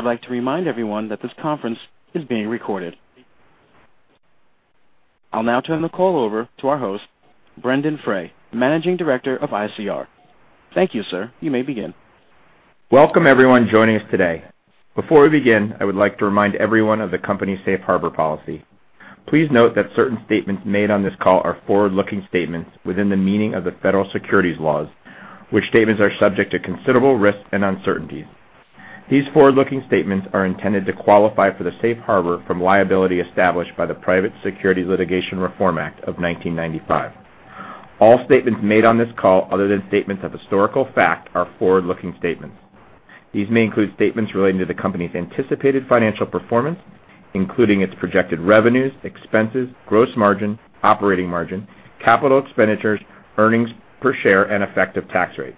I would like to remind everyone that this conference is being recorded. I'll now turn the call over to our host, Brendon Frey, Managing Director of ICR. Thank you, sir. You may begin. Welcome everyone joining us today. Before we begin, I would like to remind everyone of the company's safe harbor policy. Please note that certain statements made on this call are forward-looking statements within the meaning of the federal securities laws, which statements are subject to considerable risks and uncertainties. These forward-looking statements are intended to qualify for the safe harbor from liability established by the Private Securities Litigation Reform Act of 1995. All statements made on this call, other than statements of historical fact, are forward-looking statements. These may include statements relating to the company's anticipated financial performance, including its projected revenues, expenses, gross margin, operating margin, capital expenditures, earnings per share, and effective tax rate.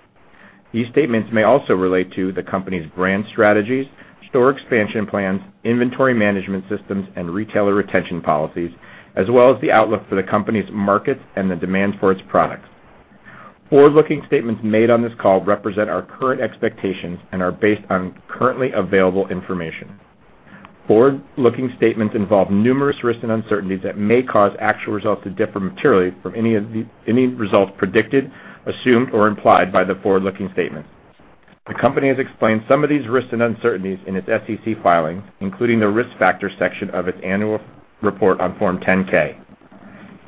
These statements may also relate to the company's brand strategies, store expansion plans, inventory management systems, and retailer retention policies, as well as the outlook for the company's markets and the demand for its products. Forward-looking statements made on this call represent our current expectations and are based on currently available information. Forward-looking statements involve numerous risks and uncertainties that may cause actual results to differ materially from any results predicted, assumed, or implied by the forward-looking statements. The company has explained some of these risks and uncertainties in its SEC filings, including the Risk Factors section of its annual report on Form 10-K.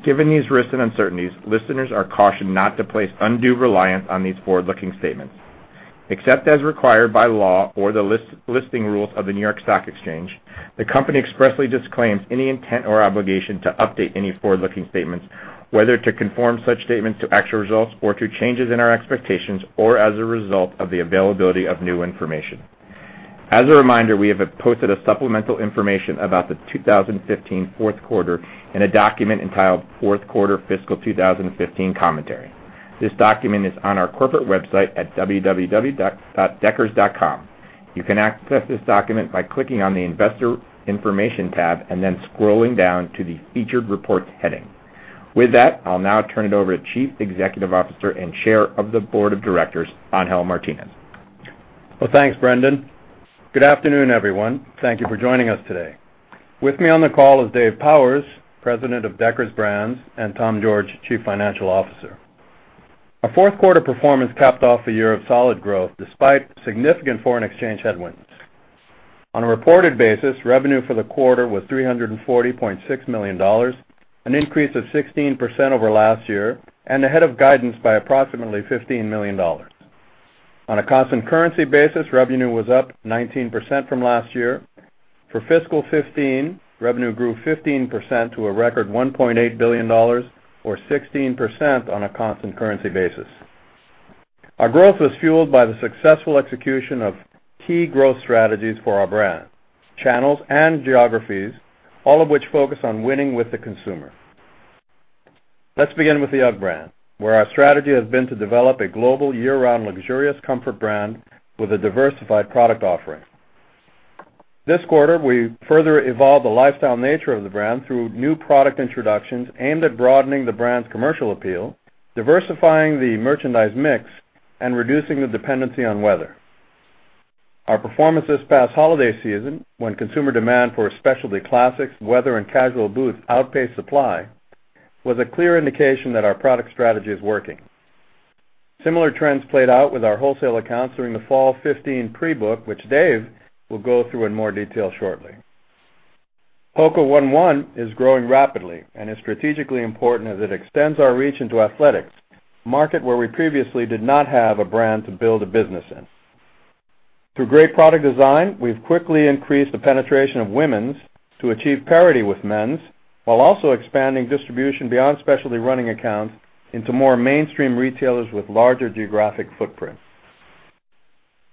Given these risks and uncertainties, listeners are cautioned not to place undue reliance on these forward-looking statements. Except as required by law or the listing rules of the New York Stock Exchange, the company expressly disclaims any intent or obligation to update any forward-looking statements, whether to conform such statements to actual results or to changes in our expectations or as a result of the availability of new information. As a reminder, we have posted a supplemental information about the 2015 fourth quarter in a document entitled Fourth Quarter Fiscal 2015 Commentary. This document is on our corporate website at www.deckers.com. You can access this document by clicking on the Investor Information tab and then scrolling down to the Featured Reports heading. With that, I'll now turn it over to Chief Executive Officer and Chair of the Board of Directors, Angel Martinez. Well, thanks, Brendon. Good afternoon, everyone. Thank you for joining us today. With me on the call is Dave Powers, President of Deckers Brands, and Tom George, Chief Financial Officer. Our fourth quarter performance capped off a year of solid growth despite significant foreign exchange headwinds. On a reported basis, revenue for the quarter was $340.6 million, an increase of 16% over last year and ahead of guidance by approximately $15 million. On a constant currency basis, revenue was up 19% from last year. For fiscal 2015, revenue grew 15% to a record $1.8 billion or 16% on a constant currency basis. Our growth was fueled by the successful execution of key growth strategies for our brands, channels, and geographies, all of which focus on winning with the consumer. Let's begin with the UGG brand, where our strategy has been to develop a global year-round luxurious comfort brand with a diversified product offering. This quarter, we further evolved the lifestyle nature of the brand through new product introductions aimed at broadening the brand's commercial appeal, diversifying the merchandise mix, and reducing the dependency on weather. Our performance this past holiday season, when consumer demand for specialty classics, weather, and casual boots outpaced supply, was a clear indication that our product strategy is working. Similar trends played out with our wholesale accounts during the fall 2015 pre-book, which Dave will go through in more detail shortly. HOKA ONE ONE is growing rapidly and is strategically important as it extends our reach into athletics, a market where we previously did not have a brand to build a business in. Through great product design, we've quickly increased the penetration of women's to achieve parity with men's, while also expanding distribution beyond specialty running accounts into more mainstream retailers with larger geographic footprints.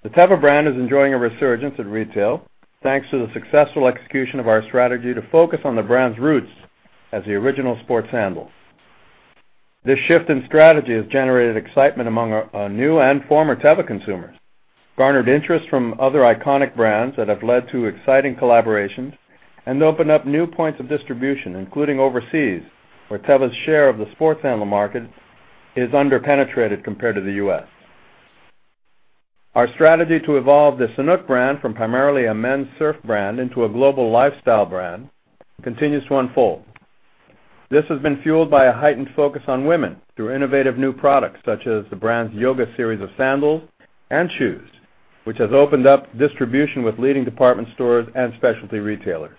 The Teva brand is enjoying a resurgence in retail, thanks to the successful execution of our strategy to focus on the brand's roots as the original sports sandal. This shift in strategy has generated excitement among our new and former Teva consumers, garnered interest from other iconic brands that have led to exciting collaborations, and opened up new points of distribution, including overseas, where Teva's share of the sports sandal market is underpenetrated compared to the U.S. Our strategy to evolve the Sanuk brand from primarily a men's surf brand into a global lifestyle brand continues to unfold. This has been fueled by a heightened focus on women through innovative new products such as the brand's yoga series of sandals and shoes, which has opened up distribution with leading department stores and specialty retailers.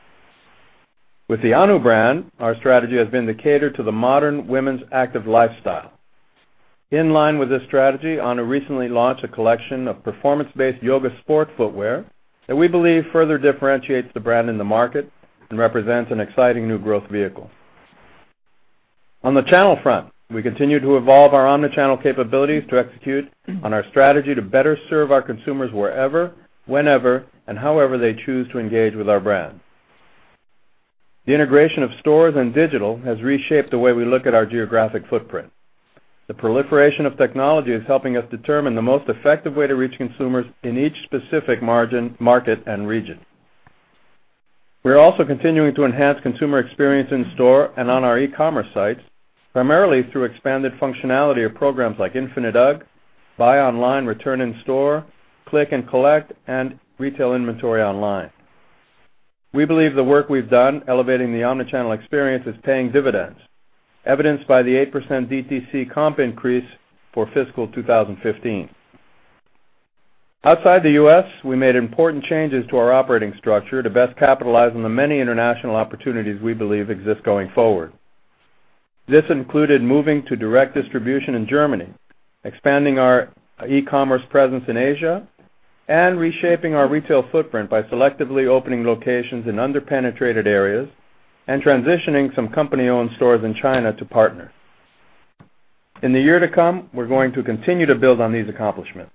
With the Ahnu brand, our strategy has been to cater to the modern women's active lifestyle. In line with this strategy, Ahnu recently launched a collection of performance-based yoga sport footwear that we believe further differentiates the brand in the market and represents an exciting new growth vehicle. On the channel front, we continue to evolve our omni-channel capabilities to execute on our strategy to better serve our consumers wherever, whenever, and however they choose to engage with our brands. The integration of stores and digital has reshaped the way we look at our geographic footprint. The proliferation of technology is helping us determine the most effective way to reach consumers in each specific market and region. We are also continuing to enhance consumer experience in store and on our e-commerce sites, primarily through expanded functionality of programs like Infinite UGG, buy online, return in store, click and collect, and retail inventory online. We believe the work we have done elevating the omni-channel experience is paying dividends, evidenced by the 8% DTC comp increase for fiscal 2015. Outside the U.S., we made important changes to our operating structure to best capitalize on the many international opportunities we believe exist going forward. This included moving to direct distribution in Germany, expanding our e-commerce presence in Asia, and reshaping our retail footprint by selectively opening locations in under-penetrated areas and transitioning some company-owned stores in China to partners. In the year to come, we are going to continue to build on these accomplishments.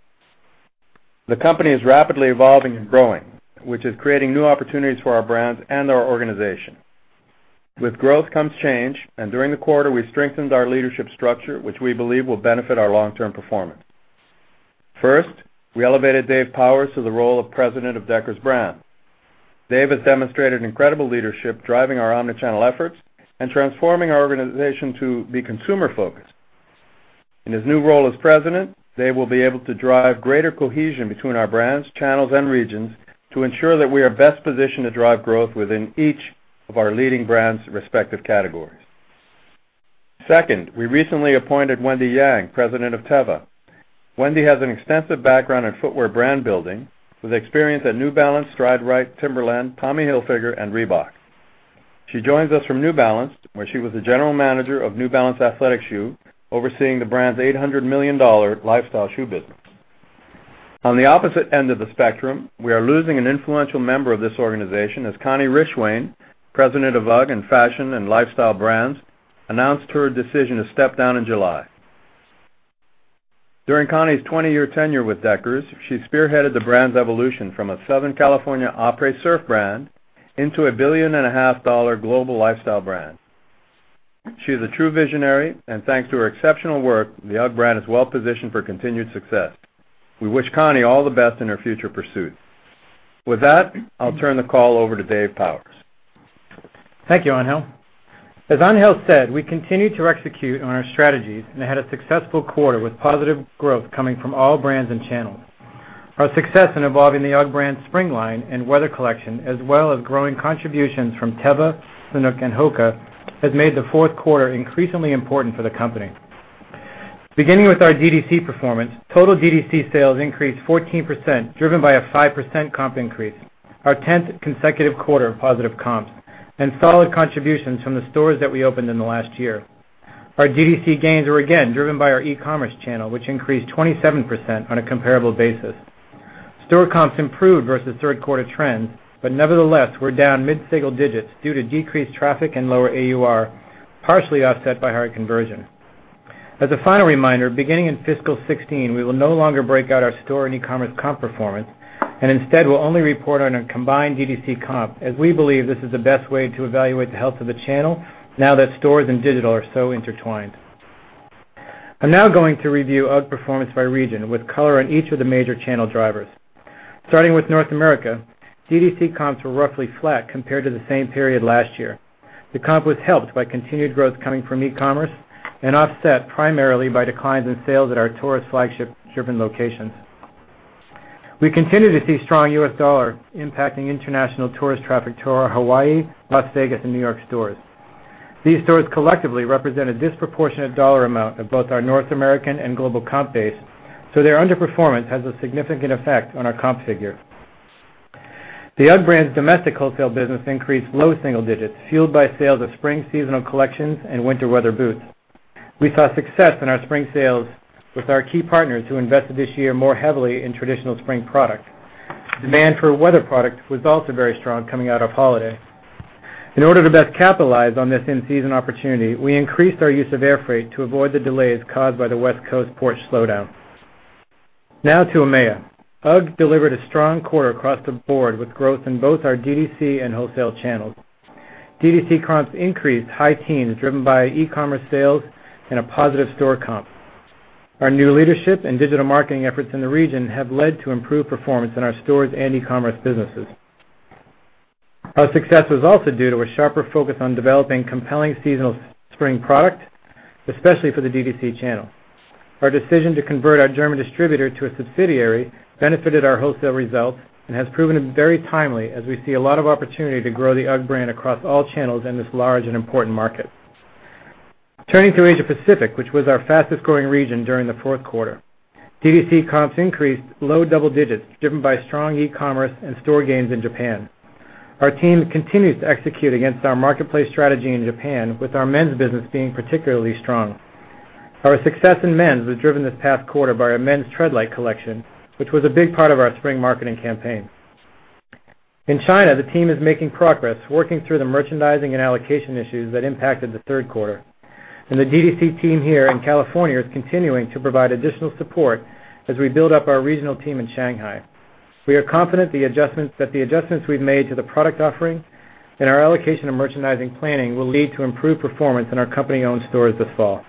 The company is rapidly evolving and growing, which is creating new opportunities for our brands and our organization. With growth comes change. During the quarter, we strengthened our leadership structure, which we believe will benefit our long-term performance. First, we elevated Dave Powers to the role of President of Deckers Brands. Dave has demonstrated incredible leadership, driving our omni-channel efforts and transforming our organization to be consumer-focused. In his new role as President, Dave will be able to drive greater cohesion between our brands, channels, and regions to ensure that we are best positioned to drive growth within each of our leading brands' respective categories. Second, we recently appointed Wendy Yang, President of Teva. Wendy has an extensive background in footwear brand building, with experience at New Balance, Stride Rite, Timberland, Tommy Hilfiger, and Reebok. She joins us from New Balance, where she was the General Manager of New Balance Athletic Shoe, overseeing the brand's $800 million lifestyle shoe business. On the opposite end of the spectrum, we are losing an influential member of this organization as Connie Rishwain, President of UGG and Fashion and Lifestyle Brands, announced her decision to step down in July. During Connie's 20-year tenure with Deckers, she spearheaded the brand's evolution from a Southern California après surf brand into a billion-and-a-half-dollar global lifestyle brand. She is a true visionary, and thanks to her exceptional work, the UGG brand is well positioned for continued success. We wish Connie all the best in her future pursuits. With that, I will turn the call over to Dave Powers. Thank you, Angel. As Angel said, we continue to execute on our strategies and had a successful quarter with positive growth coming from all brands and channels. Our success in evolving the UGG brand spring line and weather collection, as well as growing contributions from Teva, Sanuk, and HOKA, has made the fourth quarter increasingly important for the company. Beginning with our DTC performance, total DTC sales increased 14%, driven by a 5% comp increase, our 10th consecutive quarter of positive comps and solid contributions from the stores that we opened in the last year. Our DTC gains were again driven by our e-commerce channel, which increased 27% on a comparable basis. Store comps improved versus third quarter trends, but nevertheless, we are down mid-single digits due to decreased traffic and lower AUR, partially offset by higher conversion. As a final reminder, beginning in fiscal 2016, we will no longer break out our store and e-commerce comp performance, and instead, we will only report on a combined DDC comp as we believe this is the best way to evaluate the health of the channel now that stores and digital are so intertwined. I am now going to review UGG performance by region with color on each of the major channel drivers. Starting with North America, DDC comps were roughly flat compared to the same period last year. The comp was helped by continued growth coming from e-commerce and offset primarily by declines in sales at our tourist flagship-driven locations. We continue to see strong U.S. dollar impacting international tourist traffic to our Hawaii, Las Vegas, and New York stores. These stores collectively represent a disproportionate dollar amount of both our North American and global comp base, so their underperformance has a significant effect on our comp figure. The UGG brand's domestic wholesale business increased low single digits, fueled by sales of spring seasonal collections and winter weather boots. We saw success in our spring sales with our key partners who invested this year more heavily in traditional spring product. Demand for weather product was also very strong coming out of holiday. In order to best capitalize on this in-season opportunity, we increased our use of air freight to avoid the delays caused by the West Coast port slowdown. Now to EMEA. UGG delivered a strong quarter across the board with growth in both our DDC and wholesale channels. DDC comps increased high teens, driven by e-commerce sales and a positive store comp. Our new leadership and digital marketing efforts in the region have led to improved performance in our stores and e-commerce businesses. Our success was also due to a sharper focus on developing compelling seasonal spring product, especially for the DDC channel. Our decision to convert our German distributor to a subsidiary benefited our wholesale results and has proven very timely as we see a lot of opportunity to grow the UGG brand across all channels in this large and important market. Turning to Asia Pacific, which was our fastest-growing region during the fourth quarter. DDC comps increased low double digits, driven by strong e-commerce and store gains in Japan. Our team continues to execute against our marketplace strategy in Japan, with our men's business being particularly strong. Our success in men's was driven this past quarter by our men's Treadlite collection, which was a big part of our spring marketing campaign. In China, the team is making progress working through the merchandising and allocation issues that impacted the third quarter, and the DDC team here in California is continuing to provide additional support as we build up our regional team in Shanghai. We are confident that the adjustments we've made to the product offering and our allocation and merchandising planning will lead to improved performance in our company-owned stores this fall.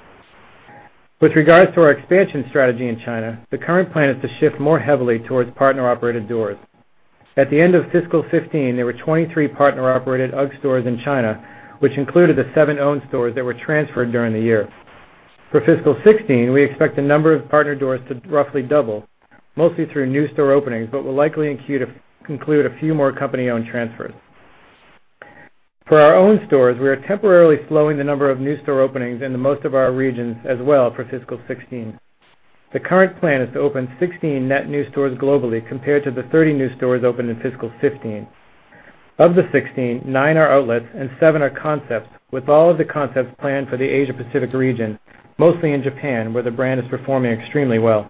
With regards to our expansion strategy in China, the current plan is to shift more heavily towards partner-operated doors. At the end of fiscal 2015, there were 23 partner-operated UGG stores in China, which included the seven owned stores that were transferred during the year. For fiscal 2016, we expect the number of partner doors to roughly double, mostly through new store openings, but will likely include a few more company-owned transfers. For our own stores, we are temporarily slowing the number of new store openings in most of our regions as well for fiscal 2016. The current plan is to open 16 net new stores globally compared to the 30 new stores opened in fiscal 2015. Of the 16, nine are outlets and seven are concepts, with all of the concepts planned for the Asia Pacific region, mostly in Japan, where the brand is performing extremely well.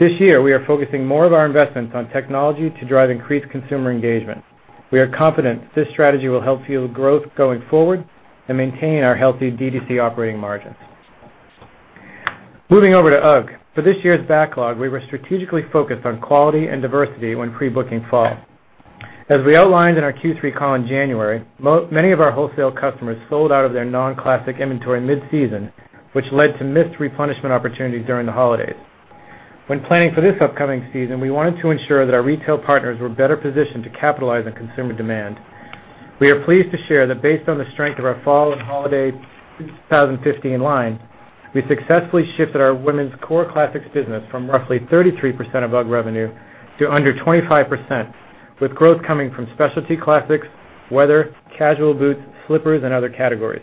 This year, we are focusing more of our investments on technology to drive increased consumer engagement. We are confident this strategy will help fuel growth going forward and maintain our healthy D2C operating margins. Moving over to UGG. For this year's backlog, we were strategically focused on quality and diversity when pre-booking fall. As we outlined in our Q3 call in January, many of our wholesale customers sold out of their non-classic inventory mid-season, which led to missed replenishment opportunities during the holidays. When planning for this upcoming season, we wanted to ensure that our retail partners were better positioned to capitalize on consumer demand. We are pleased to share that based on the strength of our fall and holiday 2015 line, we successfully shifted our women's core classics business from roughly 33% of UGG revenue to under 25%, with growth coming from specialty classics, weather, casual boots, slippers, and other categories.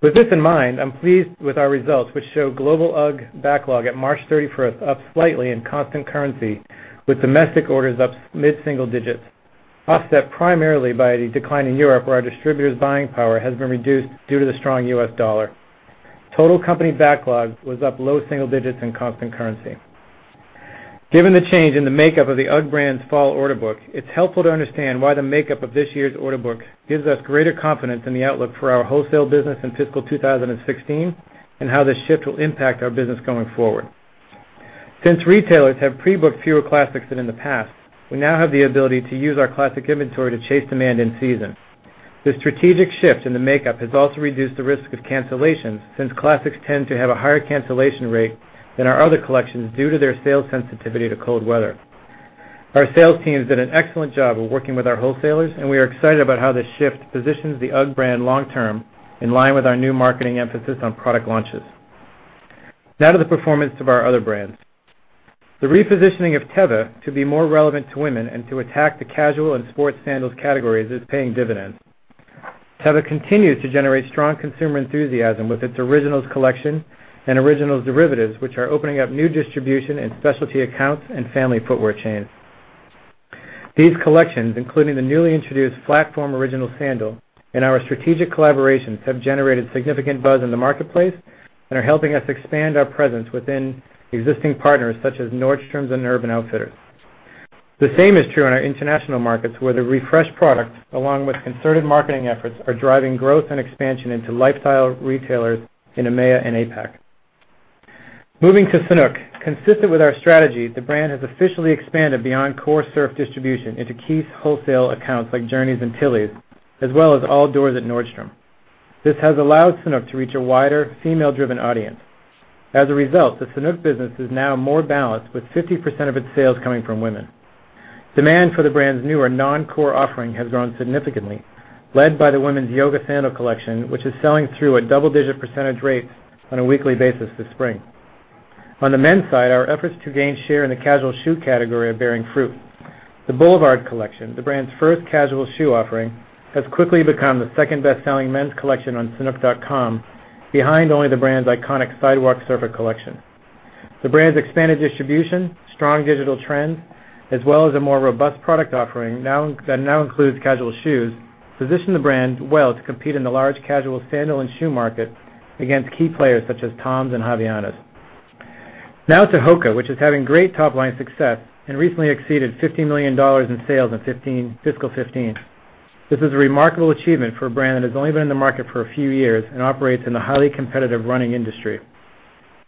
With this in mind, I'm pleased with our results, which show global UGG backlog at March 31st up slightly in constant currency, with domestic orders up mid-single digits, offset primarily by the decline in Europe, where our distributors' buying power has been reduced due to the strong U.S. dollar. Total company backlog was up low single digits in constant currency. Given the change in the makeup of the UGG brand's fall order book, it's helpful to understand why the makeup of this year's order book gives us greater confidence in the outlook for our wholesale business in fiscal 2016 and how this shift will impact our business going forward. Since retailers have pre-booked fewer classics than in the past, we now have the ability to use our classic inventory to chase demand in-season. The strategic shift in the makeup has also reduced the risk of cancellations, since classics tend to have a higher cancellation rate than our other collections due to their sales sensitivity to cold weather. Our sales team has done an excellent job of working with our wholesalers, and we are excited about how this shift positions the UGG brand long term in line with our new marketing emphasis on product launches. Now to the performance of our other brands. The repositioning of Teva to be more relevant to women and to attack the casual and sports sandals categories is paying dividends. Teva continues to generate strong consumer enthusiasm with its Originals collection and Originals derivatives, which are opening up new distribution and specialty accounts and family footwear chains. These collections, including the newly introduced platform Original sandal and our strategic collaborations, have generated significant buzz in the marketplace and are helping us expand our presence within existing partners such as Nordstrom and Urban Outfitters. The same is true in our international markets, where the refreshed product, along with concerted marketing efforts, are driving growth and expansion into lifestyle retailers in EMEA and APAC. Moving to Sanuk. Consistent with our strategy, the brand has officially expanded beyond core surf distribution into key wholesale accounts like Journeys and Tillys, as well as all doors at Nordstrom. This has allowed Sanuk to reach a wider female-driven audience. As a result, the Sanuk business is now more balanced, with 50% of its sales coming from women. Demand for the brand's newer non-core offering has grown significantly, led by the women's yoga sandal collection, which is selling through a double-digit percentage rate on a weekly basis this spring. On the men's side, our efforts to gain share in the casual shoe category are bearing fruit. The Boulevard collection, the brand's first casual shoe offering, has quickly become the second best-selling men's collection on sanuk.com, behind only the brand's iconic Sidewalk Surfer collection. The brand's expanded distribution, strong digital trends, as well as a more robust product offering that now includes casual shoes, position the brand well to compete in the large casual sandal and shoe market against key players such as Toms and Havaianas. Now to HOKA, which is having great top-line success and recently exceeded $50 million in sales in fiscal 2015. This is a remarkable achievement for a brand that has only been in the market for a few years and operates in the highly competitive running industry.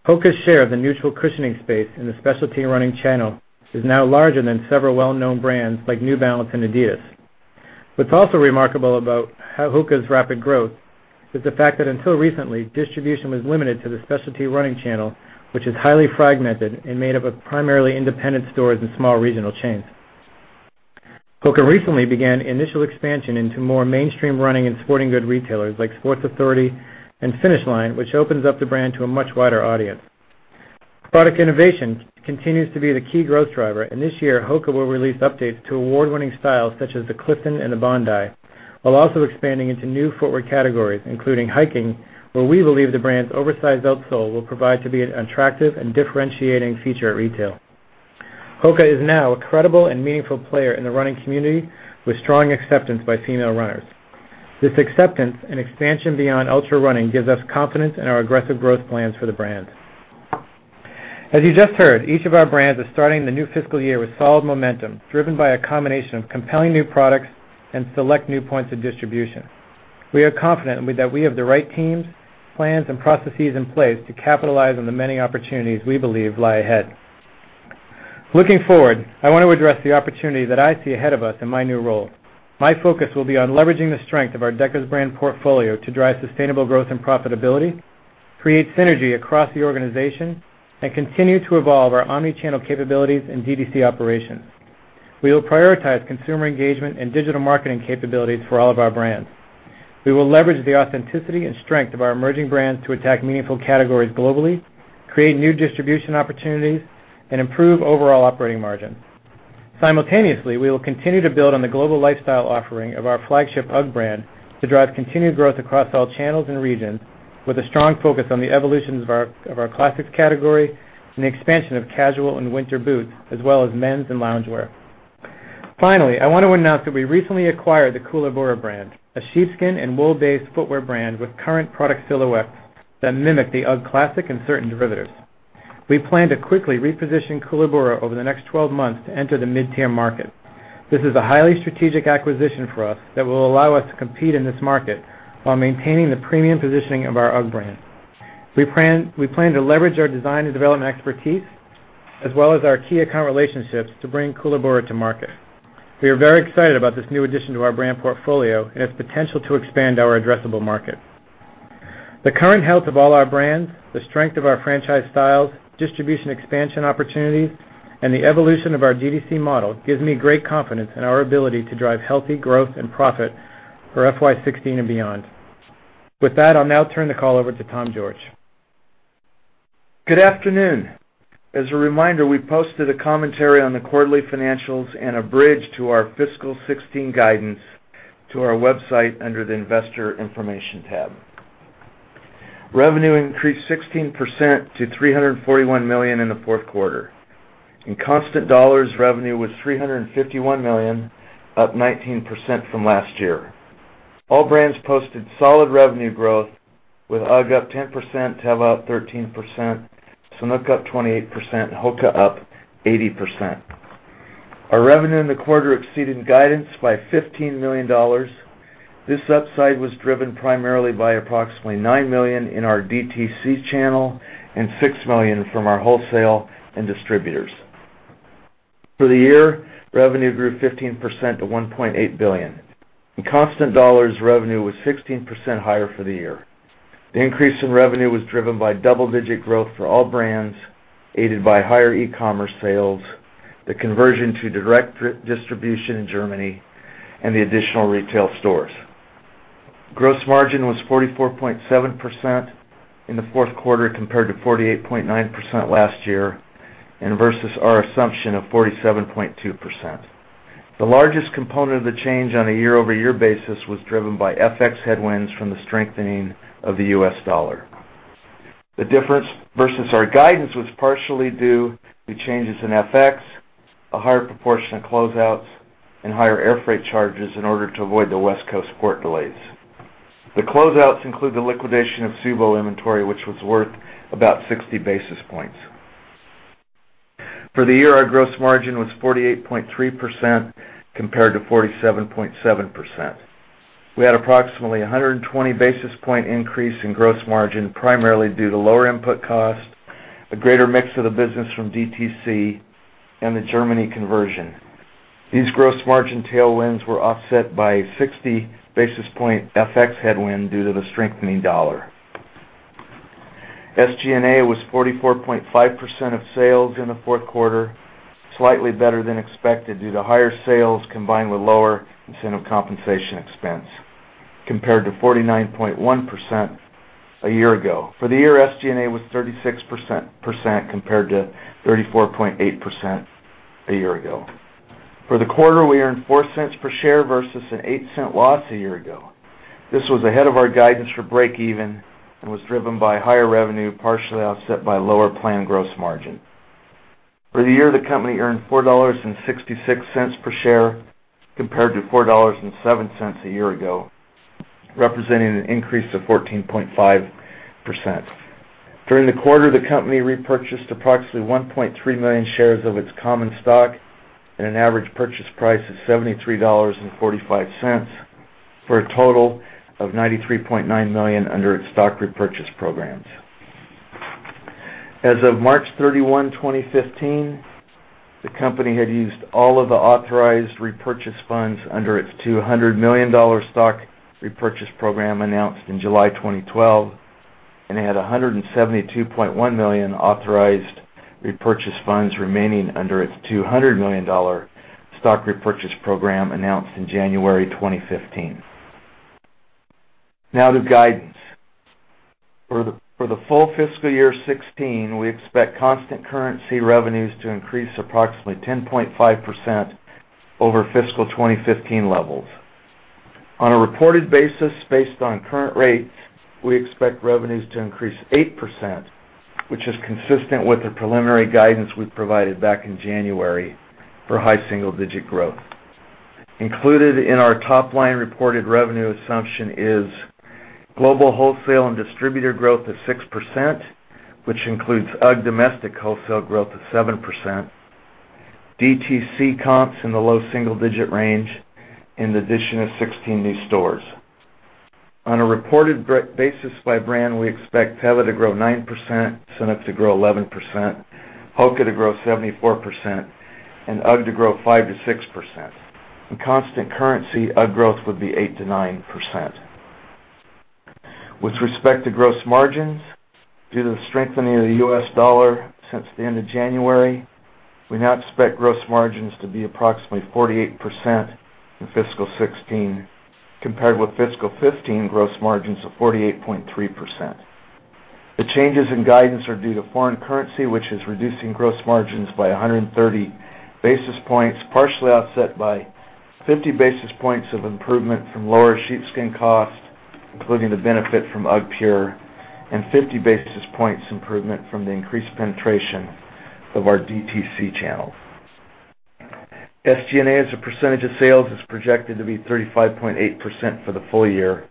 HOKA's share of the neutral cushioning space in the specialty running channel is now larger than several well-known brands like New Balance and Adidas. What's also remarkable about HOKA's rapid growth is the fact that until recently, distribution was limited to the specialty running channel, which is highly fragmented and made up of primarily independent stores and small regional chains. HOKA recently began initial expansion into more mainstream running and sporting goods retailers like Sports Authority and Finish Line, which opens up the brand to a much wider audience. Product innovation continues to be the key growth driver. This year, HOKA will release updates to award-winning styles such as the Clifton and the Bondi, while also expanding into new footwear categories, including hiking, where we believe the brand's oversized outsole will prove to be an attractive and differentiating feature at retail. HOKA is now a credible and meaningful player in the running community with strong acceptance by female runners. This acceptance and expansion beyond ultra-running gives us confidence in our aggressive growth plans for the brand. As you just heard, each of our brands is starting the new fiscal year with solid momentum, driven by a combination of compelling new products and select new points of distribution. We are confident that we have the right teams, plans, and processes in place to capitalize on the many opportunities we believe lie ahead. Looking forward, I want to address the opportunity that I see ahead of us in my new role. My focus will be on leveraging the strength of our Deckers Brands portfolio to drive sustainable growth and profitability, create synergy across the organization, and continue to evolve our omni-channel capabilities and DDC operations. We will prioritize consumer engagement and digital marketing capabilities for all of our brands. We will leverage the authenticity and strength of our emerging brands to attack meaningful categories globally, create new distribution opportunities, and improve overall operating margin. Simultaneously, we will continue to build on the global lifestyle offering of our flagship UGG brand to drive continued growth across all channels and regions with a strong focus on the evolutions of our classics category and the expansion of casual and winter boots, as well as men's and loungewear. I want to announce that we recently acquired the Koolaburra brand, a sheepskin and wool-based footwear brand with current product silhouettes that mimic the UGG classic and certain derivatives. We plan to quickly reposition Koolaburra over the next 12 months to enter the mid-tier market. This is a highly strategic acquisition for us that will allow us to compete in this market while maintaining the premium positioning of our UGG brand. We plan to leverage our design and development expertise, as well as our key account relationships to bring Koolaburra to market. We are very excited about this new addition to our brand portfolio and its potential to expand our addressable market. The current health of all our brands, the strength of our franchise styles, distribution expansion opportunities, and the evolution of our DDC model gives me great confidence in our ability to drive healthy growth and profit for FY 2016 and beyond. With that, I'll now turn the call over to Tom George. Good afternoon. As a reminder, we posted a commentary on the quarterly financials and a bridge to our fiscal 2016 guidance to our website under the investor information tab. Revenue increased 16% to $341 million in the fourth quarter. In constant dollars, revenue was $351 million, up 19% from last year. All brands posted solid revenue growth, with UGG up 10%, Teva 13%, Sanuk up 28%, and HOKA up 80%. Our revenue in the quarter exceeded guidance by $15 million. This upside was driven primarily by approximately $9 million in our DTC channel and $6 million from our wholesale and distributors. For the year, revenue grew 15% to $1.8 billion. In constant dollars, revenue was 16% higher for the year. The increase in revenue was driven by double-digit growth for all brands, aided by higher e-commerce sales, the conversion to direct distribution in Germany, and the additional retail stores. Gross margin was 44.7% in the fourth quarter compared to 48.9% last year and versus our assumption of 47.2%. The largest component of the change on a year-over-year basis was driven by FX headwinds from the strengthening of the US dollar. The difference versus our guidance was partially due to changes in FX, a higher proportion of closeouts, and higher airfreight charges in order to avoid the West Coast port delays. The closeouts include the liquidation of Mozo inventory, which was worth about 60 basis points. For the year, our gross margin was 48.3% compared to 47.7%. We had approximately 120 basis point increase in gross margin, primarily due to lower input cost, a greater mix of the business from DTC, and the Germany conversion. These gross margin tailwinds were offset by 60 basis point FX headwind due to the strengthening dollar. SG&A was 44.5% of sales in the fourth quarter, slightly better than expected due to higher sales combined with lower incentive compensation expense compared to 49.1% a year ago. For the year, SG&A was 36% compared to 34.8% a year ago. For the quarter, we earned $0.04 per share versus an $0.08 loss a year ago. This was ahead of our guidance for break even and was driven by higher revenue, partially offset by lower planned gross margin. For the year, the company earned $4.66 per share compared to $4.07 a year ago, representing an increase of 14.5%. During the quarter, the company repurchased approximately 1.3 million shares of its common stock at an average purchase price of $73.45, for a total of $93.9 million under its stock repurchase programs. As of March 31, 2015, the company had used all of the authorized repurchase funds under its $200 million stock repurchase program announced in July 2012 and had $172.1 million authorized repurchase funds remaining under its $200 million stock repurchase program announced in January 2015. To guidance. For the full fiscal year 2016, we expect constant currency revenues to increase approximately 10.5% over fiscal 2015 levels. On a reported basis, based on current rates, we expect revenues to increase 8%, which is consistent with the preliminary guidance we provided back in January for high single-digit growth. Included in our top-line reported revenue assumption is global wholesale and distributor growth of 6%, which includes UGG domestic wholesale growth of 7%, DTC comps in the low single-digit range, and the addition of 16 new stores. On a reported basis by brand, we expect Teva to grow 9%, Sanuk to grow 11%, HOKA to grow 74%, and UGG to grow 5%-6%. In constant currency, UGG growth would be 8%-9%. With respect to gross margins, due to the strengthening of the US dollar since the end of January, we now expect gross margins to be approximately 48% in fiscal 2016, compared with fiscal 2015 gross margins of 48.3%. The changes in guidance are due to foreign currency, which is reducing gross margins by 130 basis points, partially offset by 50 basis points of improvement from lower sheepskin cost, including the benefit from UGGpure, and 50 basis points improvement from the increased penetration of our DTC channels. SG&A as a percentage of sales is projected to be 35.8% for the full year,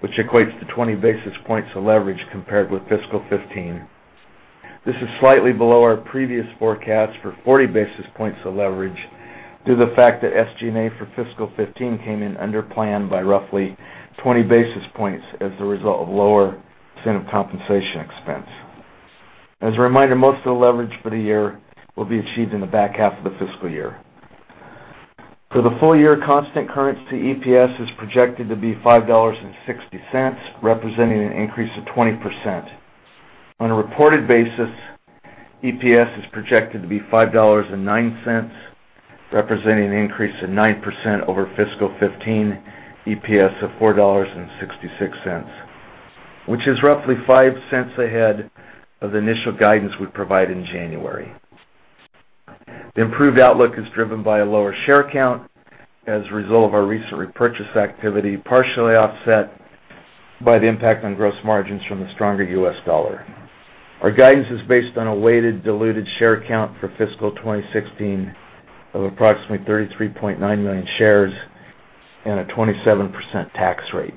which equates to 20 basis points of leverage compared with fiscal 2015. This is slightly below our previous forecast for 40 basis points of leverage due to the fact that SG&A for fiscal 2015 came in under plan by roughly 20 basis points as a result of lower incentive compensation expense. As a reminder, most of the leverage for the year will be achieved in the back half of the fiscal year. For the full year, constant currency EPS is projected to be $5.60, representing an increase of 20%. On a reported basis, EPS is projected to be $5.09, representing an increase of 9% over fiscal 2015 EPS of $4.66, which is roughly $0.05 ahead of the initial guidance we provided in January. The improved outlook is driven by a lower share count as a result of our recent repurchase activity, partially offset by the impact on gross margins from the stronger US dollar. Our guidance is based on a weighted diluted share count for fiscal 2016 of approximately 33.9 million shares and a 27% tax rate.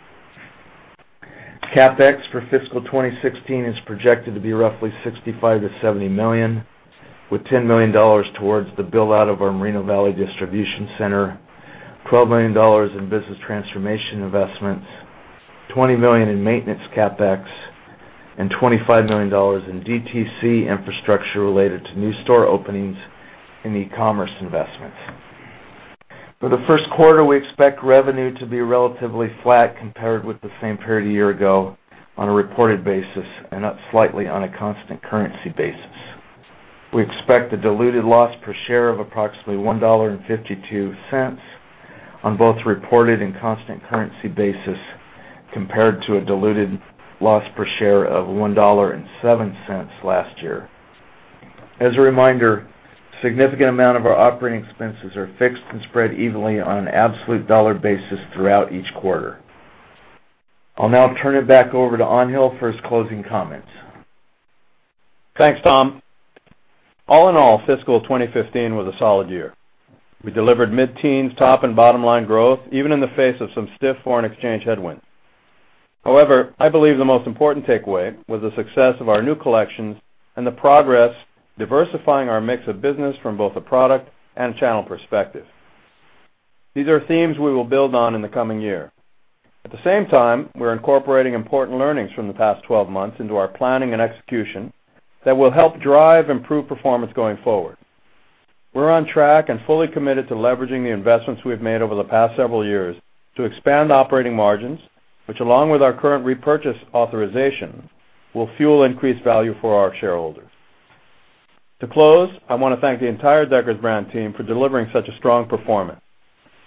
CapEx for fiscal 2016 is projected to be roughly $65 million-$70 million, with $10 million towards the build-out of our Moreno Valley distribution center, $12 million in business transformation investments, $20 million in maintenance CapEx, and $25 million in DTC infrastructure related to new store openings and e-commerce investments. For the first quarter, we expect revenue to be relatively flat compared with the same period a year ago on a reported basis, and up slightly on a constant currency basis. We expect a diluted loss per share of approximately $1.52 on both reported and constant currency basis, compared to a diluted loss per share of $1.07 last year. As a reminder, significant amount of our operating expenses are fixed and spread evenly on an absolute dollar basis throughout each quarter. I'll now turn it back over to Angel for his closing comments. Thanks, Tom. All in all, fiscal 2015 was a solid year. We delivered mid-teens top and bottom-line growth even in the face of some stiff foreign exchange headwinds. I believe the most important takeaway was the success of our new collections and the progress diversifying our mix of business from both a product and channel perspective. These are themes we will build on in the coming year. At the same time, we're incorporating important learnings from the past 12 months into our planning and execution that will help drive improved performance going forward. We're on track and fully committed to leveraging the investments we've made over the past several years to expand operating margins, which, along with our current repurchase authorization, will fuel increased value for our shareholders. To close, I want to thank the entire Deckers Brands team for delivering such a strong performance.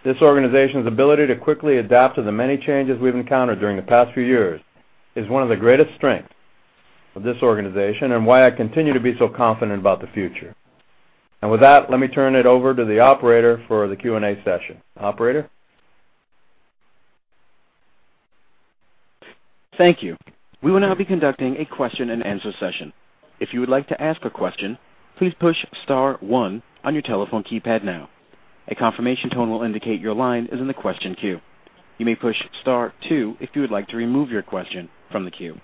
This organization's ability to quickly adapt to the many changes we've encountered during the past few years is one of the greatest strengths of this organization and why I continue to be so confident about the future. With that, let me turn it over to the operator for the Q&A session. Operator? Thank you. We will now be conducting a question and answer session. If you would like to ask a question, please push star 1 on your telephone keypad now. A confirmation tone will indicate your line is in the question queue. You may push star 2 if you would like to remove your question from the queue.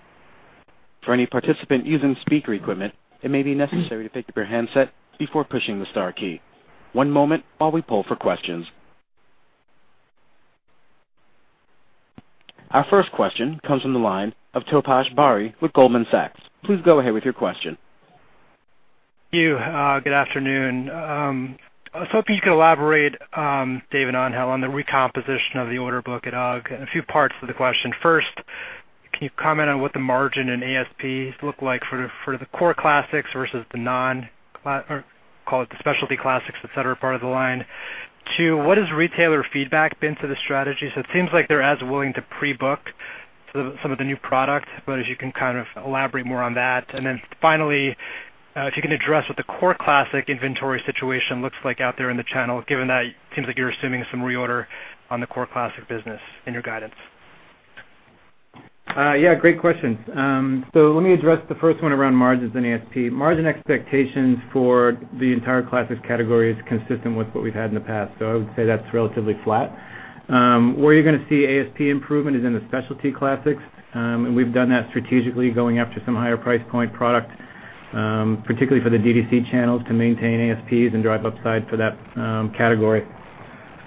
For any participant using speaker equipment, it may be necessary to pick up your handset before pushing the star key. One moment while we poll for questions. Our first question comes from the line of Taposh Bari with Goldman Sachs. Please go ahead with your question. Thank you. Good afternoon. I was hoping you could elaborate, Dave and Angel, on the recomposition of the order book at UGG, a few parts to the question. First, can you comment on what the margin and ASPs look like for the core Classics versus the specialty Classics, et cetera, part of the line? 2, what has retailer feedback been to the strategy? It seems like they're as willing to pre-book some of the new product, if you can elaborate more on that. Finally, if you can address what the core Classic inventory situation looks like out there in the channel, given that it seems like you're assuming some reorder on the core Classic business in your guidance. Yeah, great questions. Let me address the first one around margins and ASP. Margin expectations for the entire Classics category is consistent with what we've had in the past. I would say that's relatively flat. Where you're going to see ASP improvement is in the specialty Classics, we've done that strategically going after some higher price point product Particularly for the DDC channels to maintain ASPs and drive upside for that category.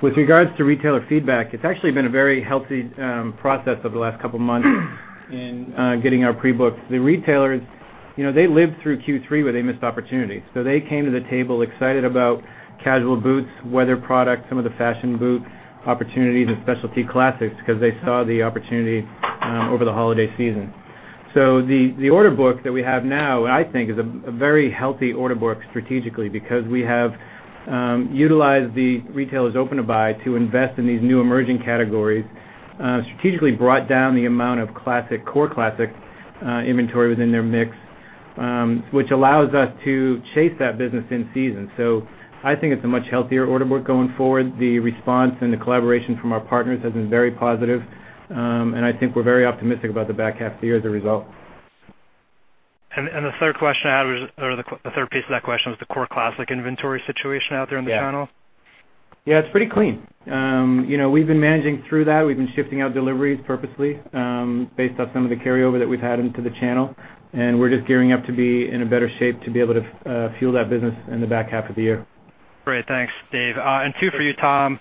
With regards to retailer feedback, it's actually been a very healthy process over the last couple of months in getting our pre-booked. The retailers, they lived through Q3 where they missed opportunities. They came to the table excited about casual boots, weather products, some of the fashion boot opportunities, and specialty classics because they saw the opportunity over the holiday season. The order book that we have now, I think, is a very healthy order book strategically because we have utilized the retailers' open to buy to invest in these new emerging categories, strategically brought down the amount of core classic inventory within their mix, which allows us to chase that business in season. I think it's a much healthier order book going forward. The response and the collaboration from our partners has been very positive. I think we're very optimistic about the back half of the year as a result. The third piece of that question was the core classic inventory situation out there in the channel? Yeah, it's pretty clean. We've been managing through that. We've been shifting out deliveries purposely, based on some of the carryover that we've had into the channel. We're just gearing up to be in a better shape to be able to fuel that business in the back half of the year. Great. Thanks, Dave. Two for you, Tom.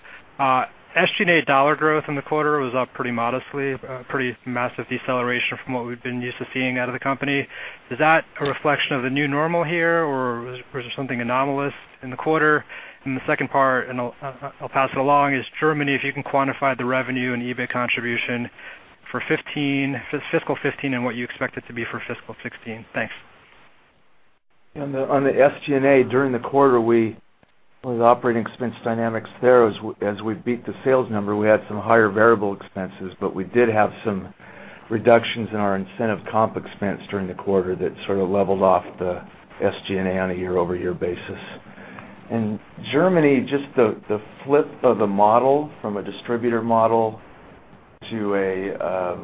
SG&A dollar growth in the quarter was up pretty modestly, a pretty massive deceleration from what we've been used to seeing out of the company. Is that a reflection of the new normal here, or was there something anomalous in the quarter? The second part, I'll pass it along, is Germany, if you can quantify the revenue and EBIT contribution for fiscal 2015 and what you expect it to be for fiscal 2016. Thanks. On the SG&A, during the quarter, with operating expense dynamics there, as we beat the sales number, we had some higher variable expenses, but we did have some reductions in our incentive comp expense during the quarter that sort of leveled off the SG&A on a year-over-year basis. Germany, just the flip of the model from a distributor model to a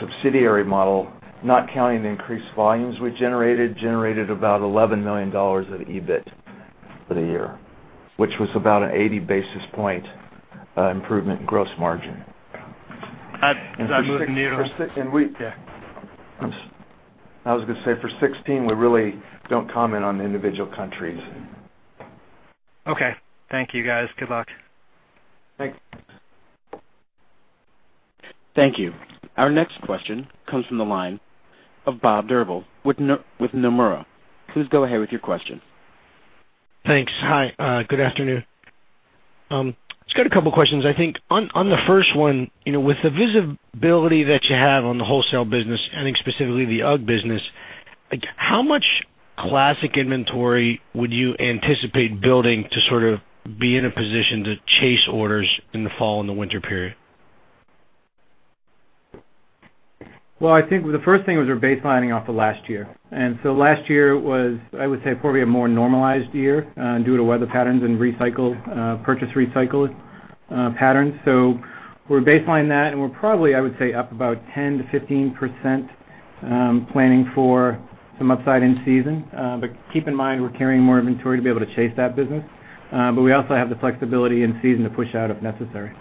subsidiary model, not counting the increased volumes we generated about $11 million of EBIT for the year, which was about an 80 basis point improvement in gross margin. Does that move the needle? Yeah. I was going to say, for 2016, we really don't comment on individual countries. Okay. Thank you, guys. Good luck. Thanks. Thank you. Our next question comes from the line of Bob Drbul with Nomura. Please go ahead with your question. Thanks. Hi. Good afternoon. Just got a couple of questions, I think. On the first one, with the visibility that you have on the wholesale business, I think specifically the UGG business, how much Classic inventory would you anticipate building to sort of be in a position to chase orders in the fall and the winter period? Well, I think the first thing was we're baselining off of last year. Last year was, I would say, probably a more normalized year due to weather patterns and purchase recycle patterns. We're baselining that, and we're probably, I would say, up about 10%-15%, planning for some upside in season. Keep in mind, we're carrying more inventory to be able to chase that business. We also have the flexibility in season to push out if necessary.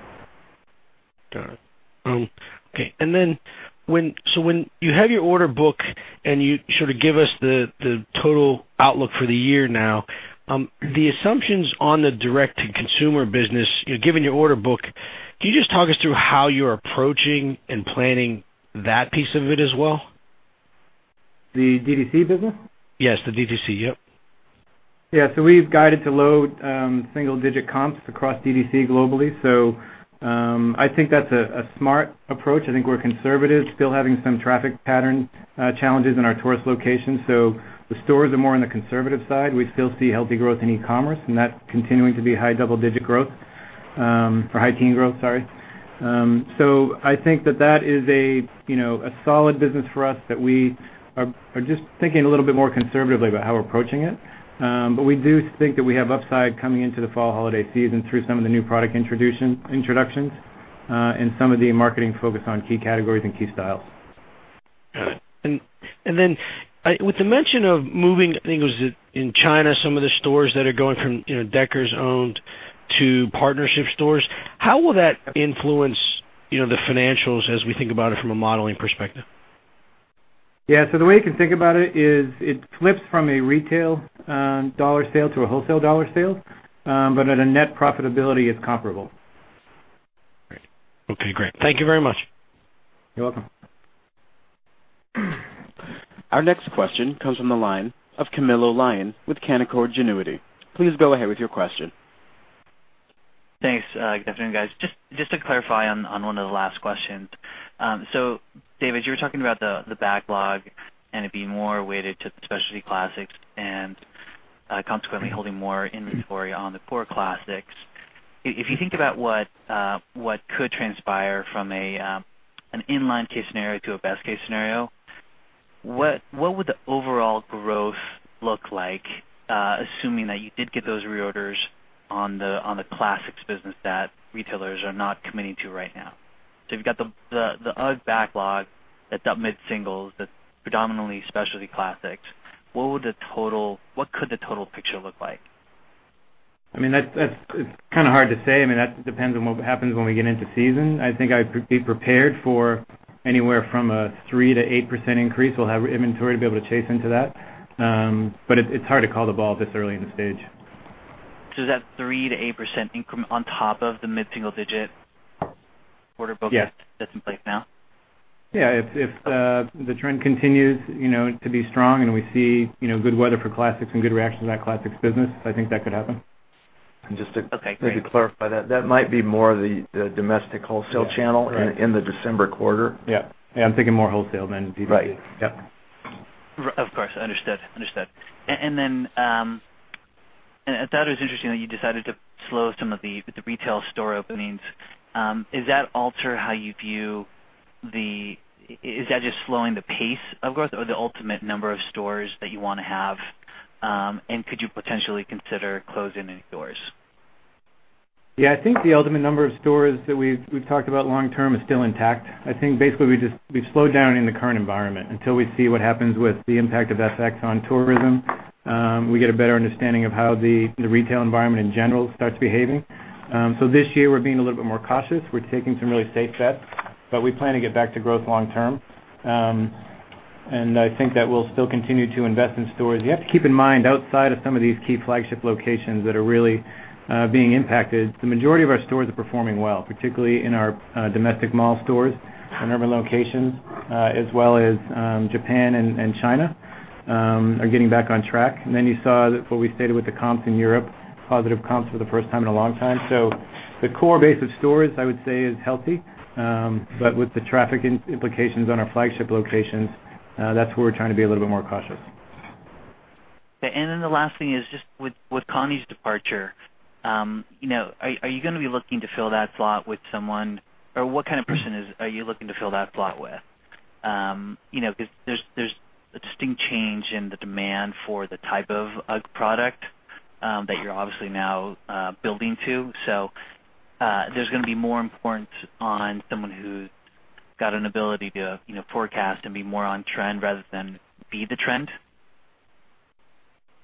Got it. Okay. When you have your order book and you sort of give us the total outlook for the year now, the assumptions on the direct-to-consumer business, given your order book, can you just talk us through how you're approaching and planning that piece of it as well? The DTC business? Yes, the DTC. Yep. Yeah. We've guided to low single-digit comps across DTC globally. I think that's a smart approach. I think we're conservative, still having some traffic pattern challenges in our tourist locations. The stores are more on the conservative side. We still see healthy growth in e-commerce, and that continuing to be high double-digit growth. Or high teen growth, sorry. I think that that is a solid business for us that we are just thinking a little bit more conservatively about how we're approaching it. We do think that we have upside coming into the fall holiday season through some of the new product introductions, and some of the marketing focus on key categories and key styles. Got it. With the mention of moving, I think it was in China, some of the stores that are going from Deckers owned to partnership stores, how will that influence the financials as we think about it from a modeling perspective? The way you can think about it is it flips from a retail dollar sale to a wholesale dollar sale. At a net profitability, it's comparable. Great. Okay, great. Thank you very much. You're welcome. Our next question comes from the line of Camilo Lyon with Canaccord Genuity. Please go ahead with your question. Thanks. Good afternoon, guys. Just to clarify on one of the last questions. David, you were talking about the backlog and it being more weighted to specialty classics and consequently holding more inventory on the core classics. If you think about what could transpire from an in-line case scenario to a best case scenario, what would the overall growth look like, assuming that you did get those reorders on the classics business that retailers are not committing to right now? If you've got the UGG backlog that's up mid-singles, that's predominantly specialty classics, what could the total picture look like? It's kind of hard to say. That depends on what happens when we get into season. I think I'd be prepared for anywhere from a 3%-8% increase. We'll have inventory to be able to chase into that. It's hard to call the ball this early in the stage. Is that 3%-8% increment on top of the mid-single digit order book? Yes that's in place now? Yeah, if the trend continues to be strong and we see good weather for Classics and good reaction to that Classics business, I think that could happen. just to- Okay, great clarify that might be more the domestic wholesale channel in the December quarter. Yeah. I'm thinking more wholesale than D2C. Right. Yep. Of course. Understood. I thought it was interesting that you decided to slow some of the retail store openings. Is that just slowing the pace of growth or the ultimate number of stores that you want to have? Could you potentially consider closing any stores? Yeah, I think the ultimate number of stores that we've talked about long term is still intact. I think basically we've slowed down in the current environment until we see what happens with the impact of FX on tourism. We get a better understanding of how the retail environment in general starts behaving. This year, we're being a little bit more cautious. We're taking some really safe bets, but we plan to get back to growth long term. I think that we'll still continue to invest in stores. You have to keep in mind, outside of some of these key flagship locations that are really being impacted, the majority of our stores are performing well, particularly in our domestic mall stores, in urban locations, as well as Japan and China are getting back on track. You saw what we stated with the comps in Europe, positive comps for the first time in a long time. The core base of stores, I would say, is healthy. With the traffic implications on our flagship locations, that's where we're trying to be a little bit more cautious. Okay, the last thing is just with Connie's departure, are you going to be looking to fill that slot with someone? What kind of person are you looking to fill that slot with? Because there's a distinct change in the demand for the type of UGG product that you're obviously now building to. There's going to be more importance on someone who's got an ability to forecast and be more on trend rather than be the trend.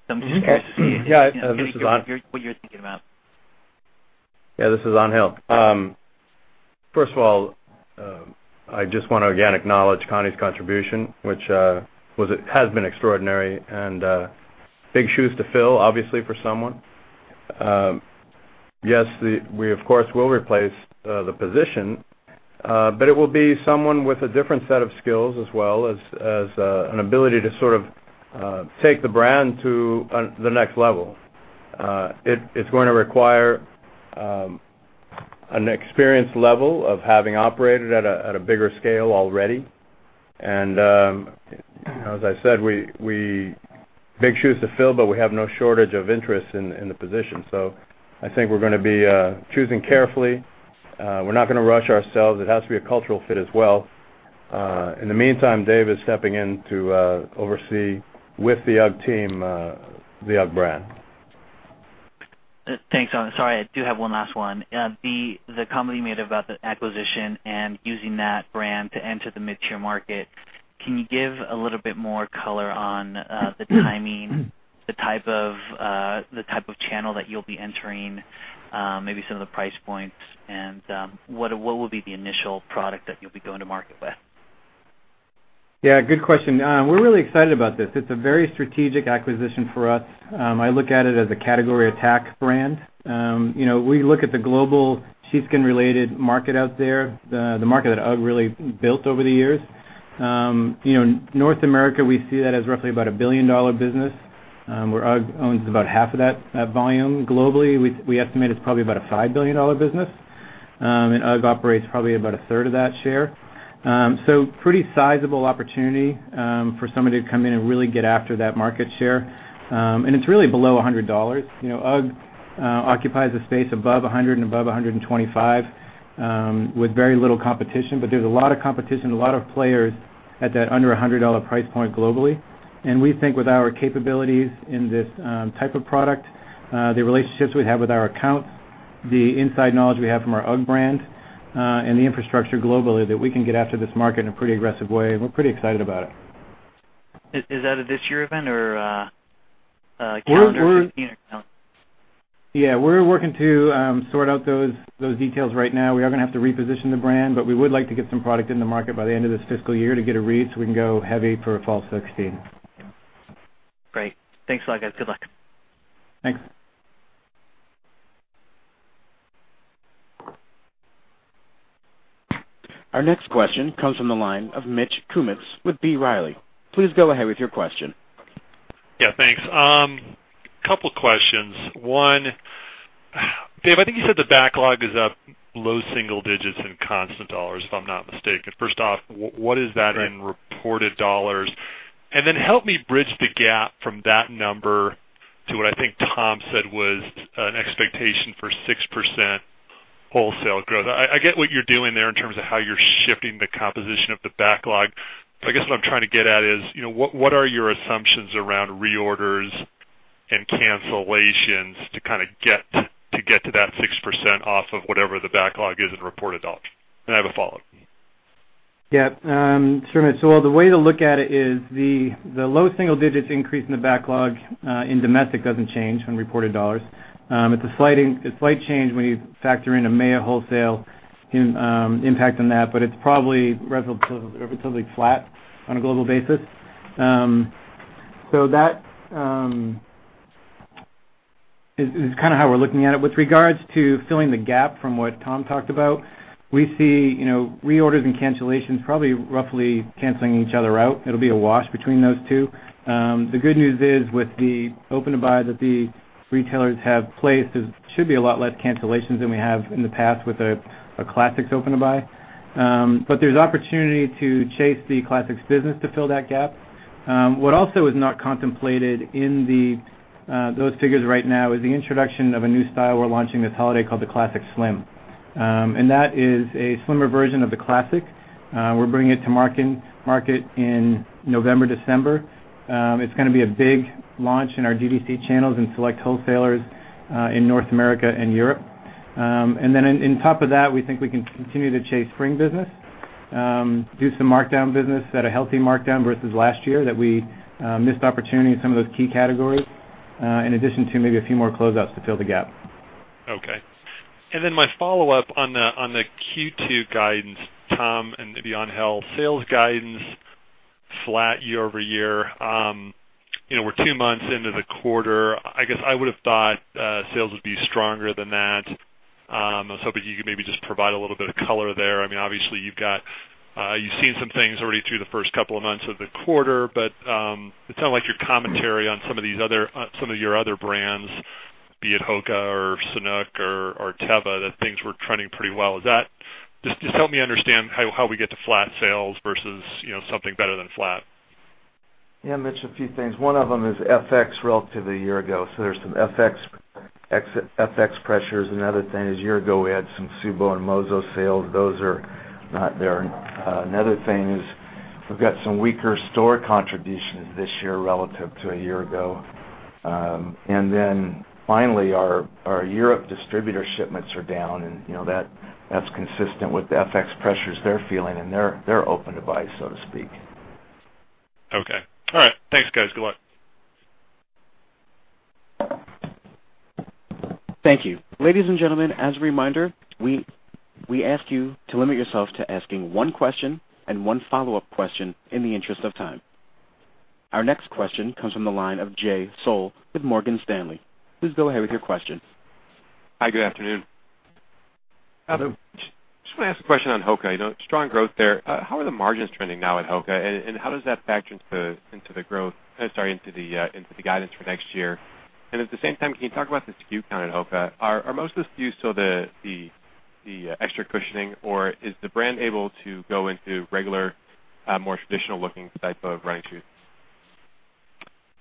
I'm just curious to see. Yeah. This is An- hear what you're thinking about. Yeah, this is Angel Martinez. First of all, I just want to again acknowledge Connie Rishwain's contribution, which has been extraordinary and big shoes to fill, obviously, for someone. Yes, we, of course, will replace the position, but it will be someone with a different set of skills as well as an ability to sort of take the brand to the next level. It's going to require an experience level of having operated at a bigger scale already. As I said, big shoes to fill, but we have no shortage of interest in the position. I think we're going to be choosing carefully. We're not going to rush ourselves. It has to be a cultural fit as well. In the meantime, Dave Powers is stepping in to oversee with the UGG team, the UGG brand. Thanks, Angel Martinez. Sorry, I do have one last one. The comment you made about the acquisition and using that brand to enter the mid-tier market, can you give a little bit more color on the timing, the type of channel that you'll be entering, maybe some of the price points, and what will be the initial product that you'll be going to market with? Yeah, good question. We're really excited about this. It's a very strategic acquisition for us. I look at it as a category attack brand. We look at the global sheepskin related market out there, the market that UGG really built over the years. North America, we see that as roughly about a billion-dollar business, where UGG owns about half of that volume globally. We estimate it's probably about a $5 billion business. UGG operates probably about a third of that share. Pretty sizable opportunity for somebody to come in and really get after that market share. It's really below $100. UGG occupies a space above $100 and above $125 with very little competition, but there's a lot of competition, a lot of players at that under $100 price point globally. We think with our capabilities in this type of product, the relationships we have with our accounts, the inside knowledge we have from our UGG brand, and the infrastructure globally, that we can get after this market in a pretty aggressive way, and we're pretty excited about it. Is that a this year event or calendar 2016 account? We're working to sort out those details right now. We are going to have to reposition the brand, but we would like to get some product in the market by the end of this fiscal year to get a read so we can go heavy for fall 2016. Great. Thanks a lot, guys. Good luck. Thanks. Our next question comes from the line of Mitch Kummetz with B. Riley. Please go ahead with your question. Thanks. Couple questions. One, Dave, I think you said the backlog is up low single digits in constant dollars, if I'm not mistaken. First off, what is that in reported dollars? Help me bridge the gap from that number to what I think Tom said was an expectation for 6% wholesale growth. I get what you're doing there in terms of how you're shifting the composition of the backlog. I guess what I'm trying to get at is, what are your assumptions around reorders and cancellations to kind of get to that 6% off of whatever the backlog is in reported dollars? I have a follow-up. Sure, Mitch. The way to look at it is the low single digits increase in the backlog in domestic doesn't change when reported dollars. It's a slight change when you factor in a EMEA wholesale impact on that, but it's probably relatively flat on a global basis. That is how we're looking at it. With regards to filling the gap from what Tom talked about, we see reorders and cancellations probably roughly canceling each other out. It'll be a wash between those two. The good news is, with the open-to-buy that the retailers have placed, it should be a lot less cancellations than we have in the past with a classics open-to-buy. There's opportunity to chase the classics business to fill that gap. What also is not contemplated in those figures right now is the introduction of a new style we're launching this holiday called the Classic Slim. That is a slimmer version of the classic. We're bringing it to market in November, December. It's going to be a big launch in our D2C channels and select wholesalers in North America and Europe. On top of that, we think we can continue to chase spring business, do some markdown business at a healthy markdown versus last year that we missed opportunity in some of those key categories, in addition to maybe a few more closeouts to fill the gap. Okay. My follow-up on the Q2 guidance, Tom, and maybe on health sales guidance, flat year-over-year. We're 2 months into the quarter. I would've thought sales would be stronger than that. I was hoping you could maybe just provide a little bit of color there. Obviously, you've seen some things already through the first couple of months of the quarter, but it sounded like your commentary on some of your other brands, be it HOKA or Sanuk or Teva, that things were trending pretty well. Help me understand how we get to flat sales versus something better than flat. Mitch, a few things. One of them is FX relative to a year ago. There's some FX pressures. Another thing is, a year ago, we had some Suvo and Mozo sales. Those are not there. Another thing is, we've got some weaker store contributions this year relative to a year ago. Finally, our Europe distributor shipments are down, and that's consistent with the FX pressures they're feeling and their open to buy, so to speak. Okay. All right. Thanks, guys. Good luck. Thank you. Ladies and gentlemen, as a reminder, we ask you to limit yourself to asking one question and one follow-up question in the interest of time. Our next question comes from the line of Jay Sole with Morgan Stanley. Please go ahead with your question. Hi, good afternoon. Just want to ask a question on HOKA. Strong growth there. How are the margins trending now at HOKA, and how does that factor into the guidance for next year? Can you talk about the SKU count at HOKA? Are most of the SKUs still the extra cushioning, or is the brand able to go into regular, more traditional-looking type of running shoes?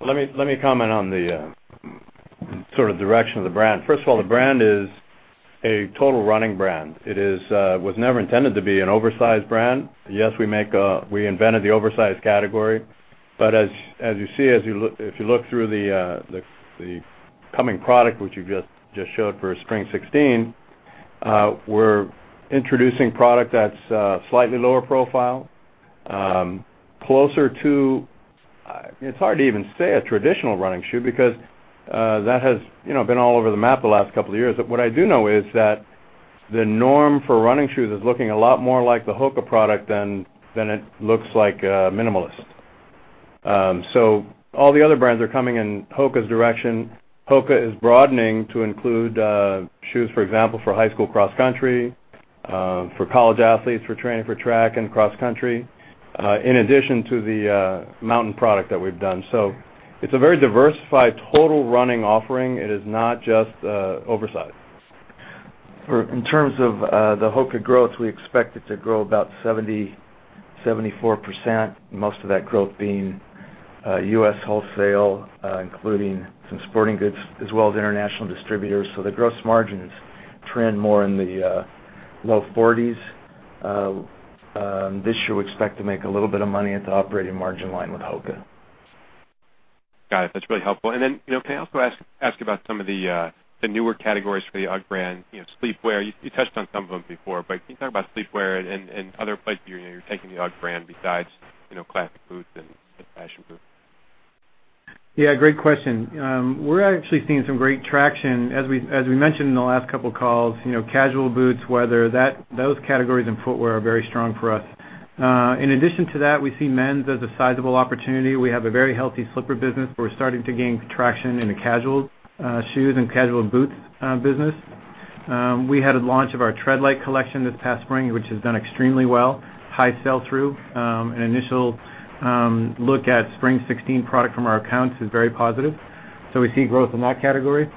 Let me comment on the direction of the brand. First of all, the brand is a total running brand. It was never intended to be an oversized brand. Yes, we invented the oversized category, but as you see, if you look through the coming product, which we just showed for spring 2016, we're introducing product that's slightly lower profile, closer to It's hard to even say a traditional running shoe because that has been all over the map the last couple of years. What I do know is that the norm for running shoes is looking a lot more like the HOKA product than it looks like minimalist. All the other brands are coming in HOKA's direction. HOKA is broadening to include shoes, for example, for high school cross country, for college athletes for training for track and cross country, in addition to the mountain product that we've done. It's a very diversified total running offering. It is not just oversized. In terms of the HOKA growth, we expect it to grow about 74%, most of that growth being U.S. wholesale, including some sporting goods as well as international distributors. The gross margins trend more in the low 40s. This year, we expect to make a little bit of money at the operating margin line with HOKA. Got it. That's really helpful. Can I also ask about some of the newer categories for the UGG brand, sleepwear? You touched on some of them before, but can you talk about sleepwear and other places you're taking the UGG brand besides classic boots and fashion boots? Yeah, great question. We're actually seeing some great traction. As we mentioned in the last couple of calls, casual boots, whether those categories in footwear are very strong for us. In addition to that, we see men's as a sizable opportunity. We have a very healthy slipper business. We're starting to gain traction in the casual shoes and casual boots business. We had a launch of our Treadlite collection this past spring, which has done extremely well, high sell-through. An initial look at spring 2016 product from our accounts is very positive. We see growth in that category.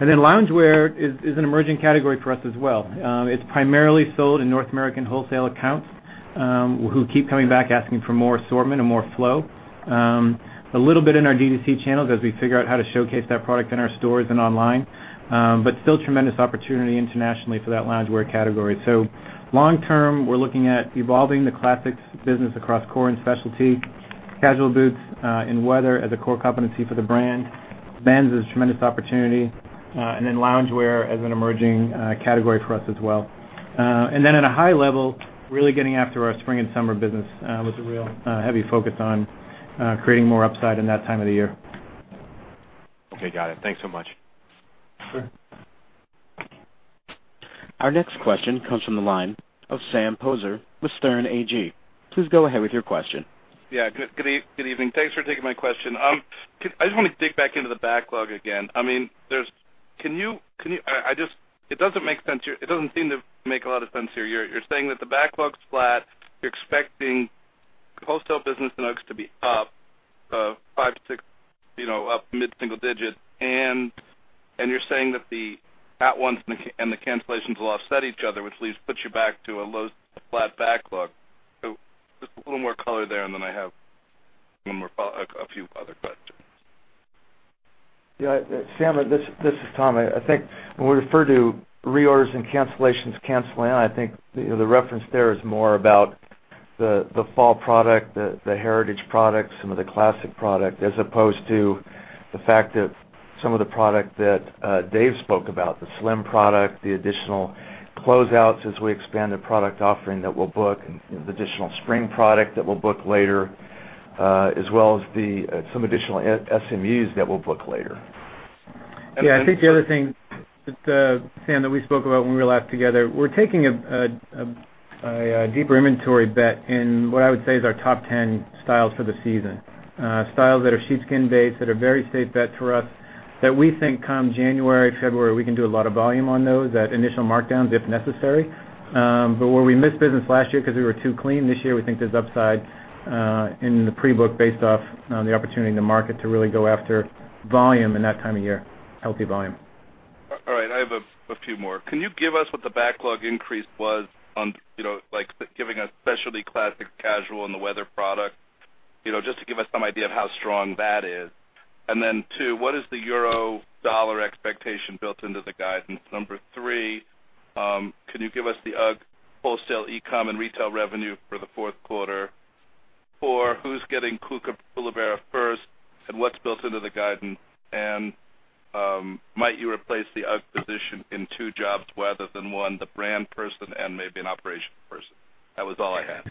Loungewear is an emerging category for us as well. It's primarily sold in North American wholesale accounts, who keep coming back asking for more assortment and more flow. A little bit in our D2C channels as we figure out how to showcase that product in our stores and online. Still tremendous opportunity internationally for that loungewear category. Long term, we're looking at evolving the classics business across core and specialty, casual boots, and weather as a core competency for the brand. Brands is a tremendous opportunity, loungewear as an emerging category for us as well. At a high level, really getting after our spring and summer business, with a real heavy focus on creating more upside in that time of the year. Okay, got it. Thanks so much. Sure. Our next question comes from the line of Sam Poser with Sterne Agee. Please go ahead with your question. Yeah. Good evening. Thanks for taking my question. I just want to dig back into the backlog again. It doesn't seem to make a lot of sense here. You're saying that the backlog's flat. You're expecting wholesale business UGGs to be up mid-single digit, and you're saying that the at-once and the cancellations will offset each other, which at least puts you back to a low flat backlog. Just a little more color there, and then I have a few other questions. Yeah. Sam, this is Tom. I think when we refer to reorders and cancellations canceling out, I think the reference there is more about the fall product, the heritage product, some of the classic product. As opposed to the fact that some of the product that Dave spoke about, the slim product, the additional closeouts as we expand the product offering that we'll book, the additional spring product that we'll book later, as well as some additional SMUs that we'll book later. Yeah, I think the other thing, Sam, that we spoke about when we were last together, we're taking a deeper inventory bet in what I would say is our top 10 styles for the season. Styles that are sheepskin based, that are very safe bet for us, that we think come January, February, we can do a lot of volume on those, that initial markdowns if necessary. Where we missed business last year because we were too clean, this year, we think there's upside in the pre-book based off the opportunity in the market to really go after volume in that time of year. Healthy volume. All right. I have a few more. Can you give us what the backlog increase was on, like giving us specialty classic casual and the weather product, just to give us some idea of how strong that is. 2, what is the euro dollar expectation built into the guidance? Number 3, can you give us the UGG wholesale e-com and retail revenue for the fourth quarter? 4, who's getting Koolaburra first, and what's built into the guidance? Might you replace the UGG position in 2 jobs rather than 1, the brand person and maybe an operational person? That was all I had.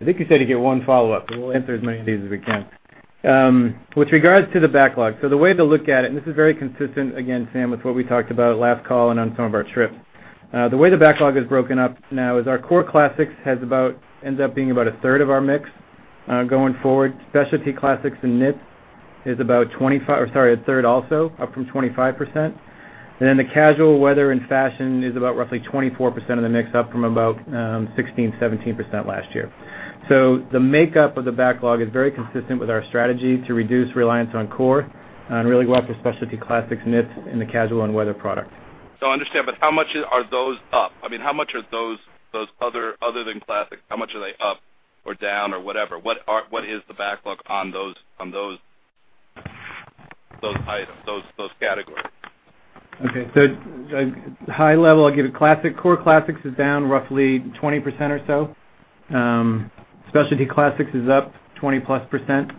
I think you said you get 1 follow-up, we'll answer as many of these as we can. With regards to the backlog, the way to look at it, and this is very consistent, again, Sam, with what we talked about last call and on some of our trips. The way the backlog is broken up now is our core classics ends up being about a third of our mix, going forward. Specialty classics and knits is a third also, up from 25%. The casual weather and fashion is about roughly 24% of the mix, up from about 16%, 17% last year. The makeup of the backlog is very consistent with our strategy to reduce reliance on core and really go after specialty classics, knits in the casual and weather product. I understand, how much are those up? How much are those other than classic, how much are they up or down or whatever? What is the backlog on those items, those categories? Okay. High level, I'll give you classic. Core classics is down roughly 20% or so. Specialty classics is up 20-plus%.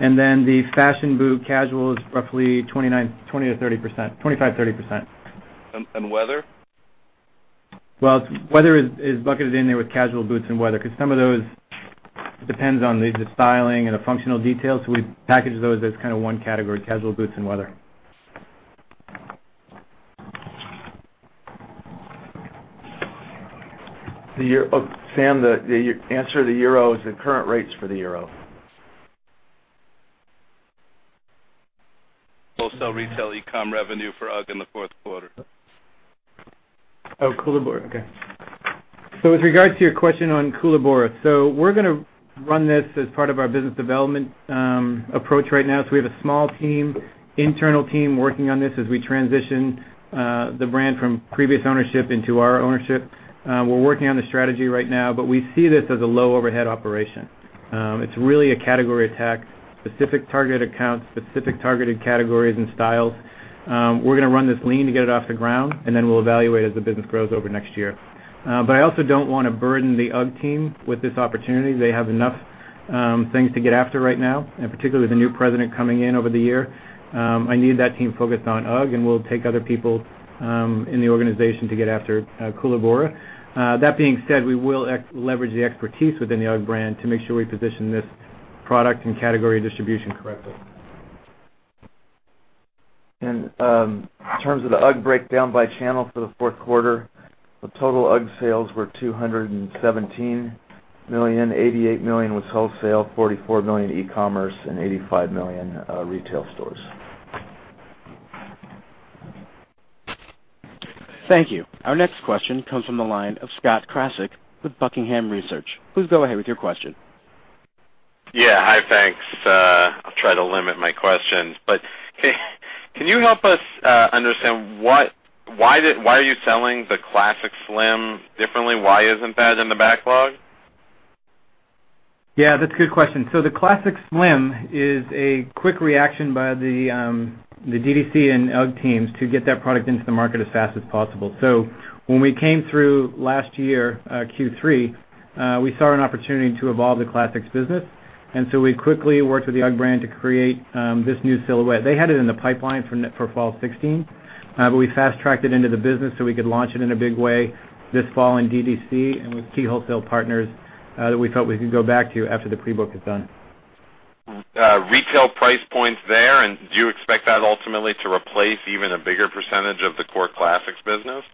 The fashion boot casual is roughly 25%, 30%. Weather? Weather is bucketed in there with casual boots and weather, because some of those depends on the styling and the functional details. We package those as kind of one category, casual boots and weather. Sam, the answer to the EUR is the current rates for the EUR. Wholesale, retail, e-com revenue for UGG in the fourth quarter. Koolaburra. With regards to your question on Koolaburra. We're going to run this as part of our business development approach right now. We have a small team, internal team, working on this as we transition the brand from previous ownership into our ownership. We're working on the strategy right now, but we see this as a low overhead operation. It's really a category attack, specific targeted accounts, specific targeted categories and styles. We're going to run this lean to get it off the ground, and then we'll evaluate as the business grows over next year. But I also don't want to burden the UGG team with this opportunity. They have enough things to get after right now, and particularly the new president coming in over the year. I need that team focused on UGG, and we'll take other people in the organization to get after Koolaburra. That being said, we will leverage the expertise within the UGG brand to make sure we position this product and category distribution correctly. In terms of the UGG breakdown by channel for the fourth quarter, the total UGG sales were $217 million. $88 million was wholesale, $44 million e-commerce, and $85 million retail stores. Thank you. Our next question comes from the line of Scott Krasik with Buckingham Research. Please go ahead with your question. Hi, thanks. I'll try to limit my questions. Can you help us understand why are you selling the Classic Slim differently? Why isn't that in the backlog? That's a good question. The Classic Slim is a quick reaction by the DDC and UGG teams to get that product into the market as fast as possible. When we came through last year, Q3, we saw an opportunity to evolve the Classics business. We quickly worked with the UGG brand to create this new silhouette. They had it in the pipeline for fall 2016, but we fast-tracked it into the business so we could launch it in a big way this fall in DDC and with key wholesale partners that we felt we could go back to after the pre-book is done. Retail price points there, do you expect that ultimately to replace even a bigger percentage of the core Classics business?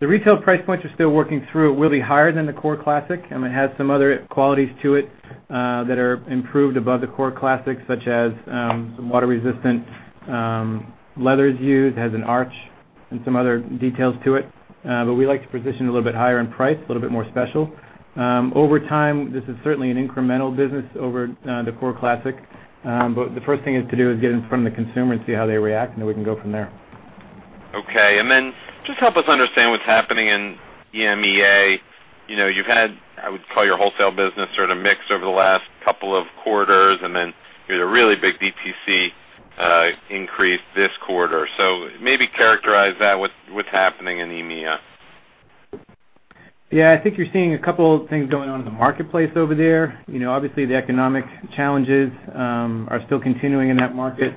The retail price points we're still working through. It will be higher than the core Classic. It has some other qualities to it that are improved above the core Classic, such as some water-resistant leathers used, has an arch, and some other details to it. We like to position it a little bit higher in price, a little bit more special. Over time, this is certainly an incremental business over the core Classic. The first thing is to do is get in front of the consumer and see how they react, and then we can go from there. Okay. Just help us understand what's happening in EMEA. You've had, I would call your wholesale business sort of mixed over the last couple of quarters, then you had a really big DTC increase this quarter. Maybe characterize that. What's happening in EMEA? I think you're seeing a couple of things going on in the marketplace over there. Obviously, the economic challenges are still continuing in that market.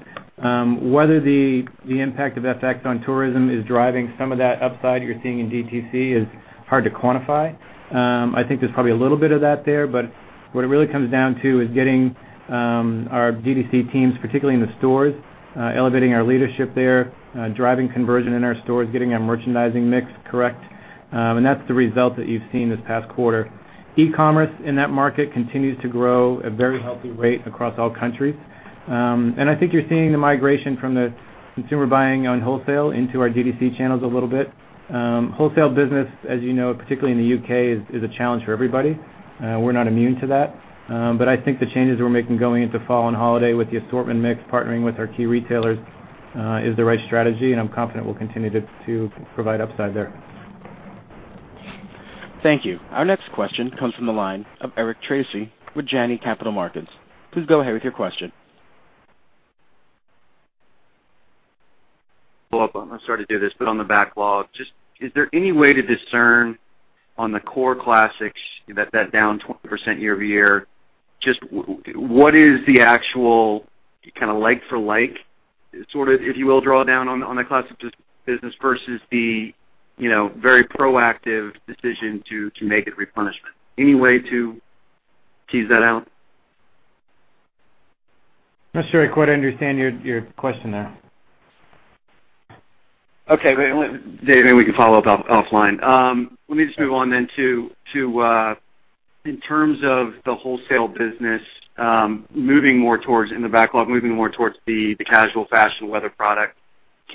Whether the impact of FX on tourism is driving some of that upside you're seeing in DTC is hard to quantify. I think there's probably a little bit of that there, but what it really comes down to is getting our DDC teams, particularly in the stores, elevating our leadership there, driving conversion in our stores, getting our merchandising mix correct. That's the result that you've seen this past quarter. E-commerce in that market continues to grow at a very healthy rate across all countries. I think you're seeing the migration from the consumer buying on wholesale into our DDC channels a little bit. Wholesale business, as you know, particularly in the U.K., is a challenge for everybody. We're not immune to that. I think the changes we're making going into fall and holiday with the assortment mix, partnering with our key retailers, is the right strategy, and I'm confident we'll continue to provide upside there. Thank you. Our next question comes from the line of Eric Tracy with Janney Montgomery Scott. Please go ahead with your question. I'm sorry to do this, on the backlog, is there any way to discern on the core Classics that's down 20% year-over-year, what is the actual kind of like for like, sort of, if you will, draw down on the Classic business versus the very proactive decision to make a replenishment? Any way to tease that out? I'm not sure I quite understand your question there. Okay. Maybe we can follow up offline. Let me just move on then to, in terms of the wholesale business, moving more towards in the backlog, moving more towards the casual fashion weather product.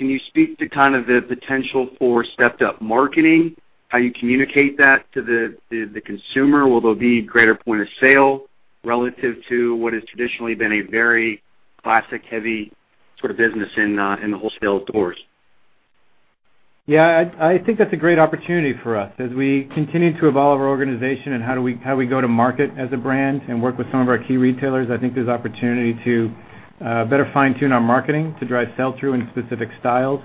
Can you speak to kind of the potential for stepped-up marketing, how you communicate that to the consumer? Will there be greater point of sale relative to what has traditionally been a very Classic-heavy sort of business in the wholesale doors? Yeah, I think that's a great opportunity for us. As we continue to evolve our organization and how we go to market as a brand and work with some of our key retailers, I think there's opportunity to better fine-tune our marketing to drive sell-through in specific styles,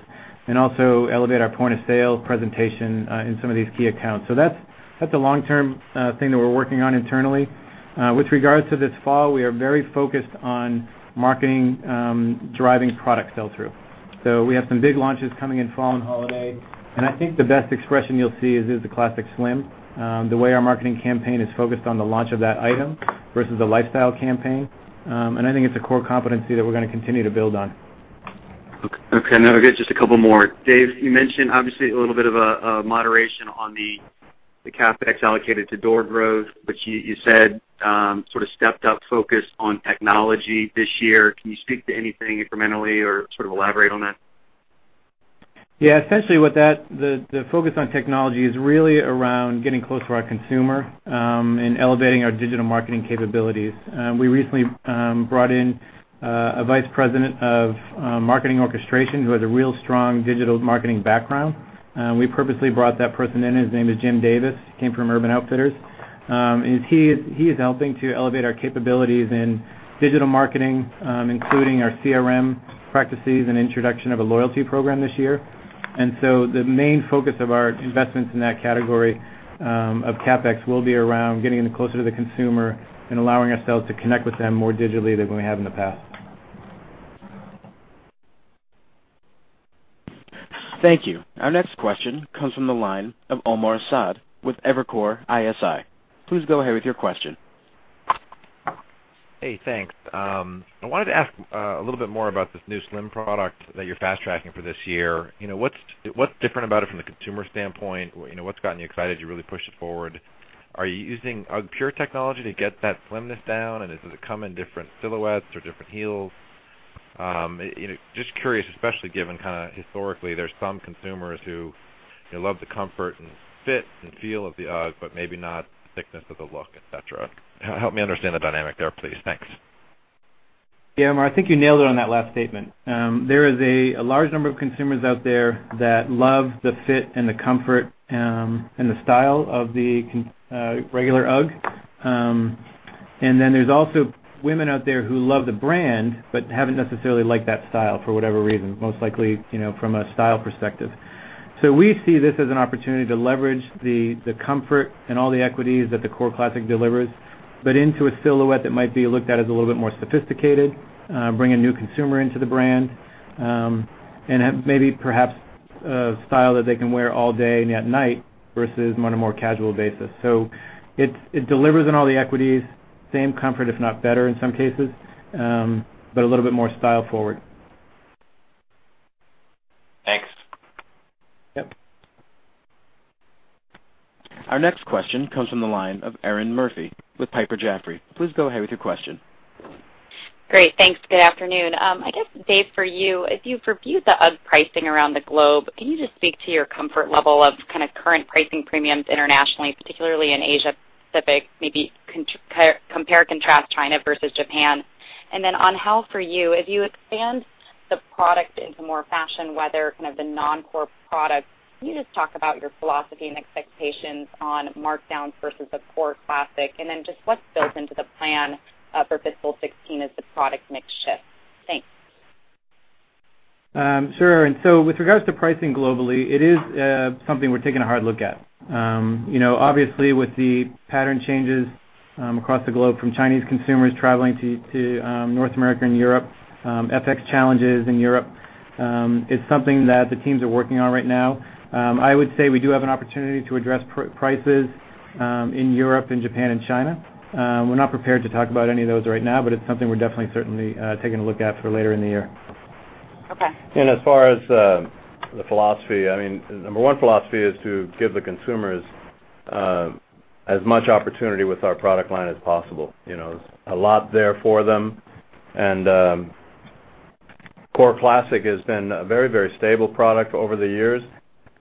and also elevate our point of sale presentation in some of these key accounts. That's a long-term thing that we're working on internally. With regards to this fall, we are very focused on marketing, driving product sell-through. We have some big launches coming in fall and holiday, and I think the best expression you'll see is the Classic Slim. The way our marketing campaign is focused on the launch of that item versus a lifestyle campaign. I think it's a core competency that we're going to continue to build on. Okay. I've got just a couple more. Dave, you mentioned obviously a little bit of a moderation on the CapEx allocated to door growth, you said sort of stepped up focus on technology this year. Can you speak to anything incrementally or sort of elaborate on that? Yeah, essentially with that, the focus on technology is really around getting closer to our consumer, and elevating our digital marketing capabilities. We recently brought in a vice president of marketing orchestration who has a real strong digital marketing background. We purposely brought that person in. His name is Jim Davis. He came from Urban Outfitters. He is helping to elevate our capabilities in digital marketing, including our CRM practices and introduction of a loyalty program this year. The main focus of our investments in that category of CapEx will be around getting closer to the consumer and allowing ourselves to connect with them more digitally than we have in the past. Thank you. Our next question comes from the line of Omar Saad with Evercore ISI. Please go ahead with your question. Hey, thanks. I wanted to ask a little bit more about this new Slim product that you're fast-tracking for this year. What's different about it from the consumer standpoint? What's gotten you excited you really pushed it forward? Are you using UGGpure technology to get that slimness down, and does it come in different silhouettes or different heels? Just curious, especially given kind of historically, there's some consumers who love the comfort and fit and feel of the UGG, but maybe not the thickness or the look, et cetera. Help me understand the dynamic there, please. Thanks. Omar, I think you nailed it on that last statement. There is a large number of consumers out there that love the fit and the comfort, and the style of the UGG. There's also women out there who love the brand, but haven't necessarily liked that style for whatever reason, most likely, from a style perspective. We see this as an opportunity to leverage the comfort and all the equities that the core classic delivers, but into a silhouette that might be looked at as a little bit more sophisticated, bring a new consumer into the brand, and have maybe perhaps a style that they can wear all day and at night versus on a more casual basis. It delivers on all the equities, same comfort, if not better in some cases, but a little bit more style forward. Thanks. Yep. Our next question comes from the line of Erinn Murphy with Piper Jaffray. Please go ahead with your question. Great. Thanks. Good afternoon. I guess, Dave, for you, as you've reviewed the UGG pricing around the globe, can you just speak to your comfort level of kind of current pricing premiums internationally, particularly in Asia Pacific, maybe compare or contrast China versus Japan. On Angel, for you, as you expand the product into more fashion, whether kind of the non-core products, can you just talk about your philosophy and expectations on markdowns versus a core classic, and then just what's built into the plan for fiscal 2016 as the product mix shifts? Thanks. Sure. With regards to pricing globally, it is something we're taking a hard look at. Obviously, with the pattern changes across the globe from Chinese consumers traveling to North America and Europe, FX challenges in Europe, it's something that the teams are working on right now. I would say we do have an opportunity to address prices in Europe and Japan and China. We're not prepared to talk about any of those right now, but it's something we're definitely certainly taking a look at for later in the year. Okay. As far as the philosophy, I mean, the number one philosophy is to give the consumers as much opportunity with our product line as possible. There's a lot there for them. Core Classic has been a very stable product over the years.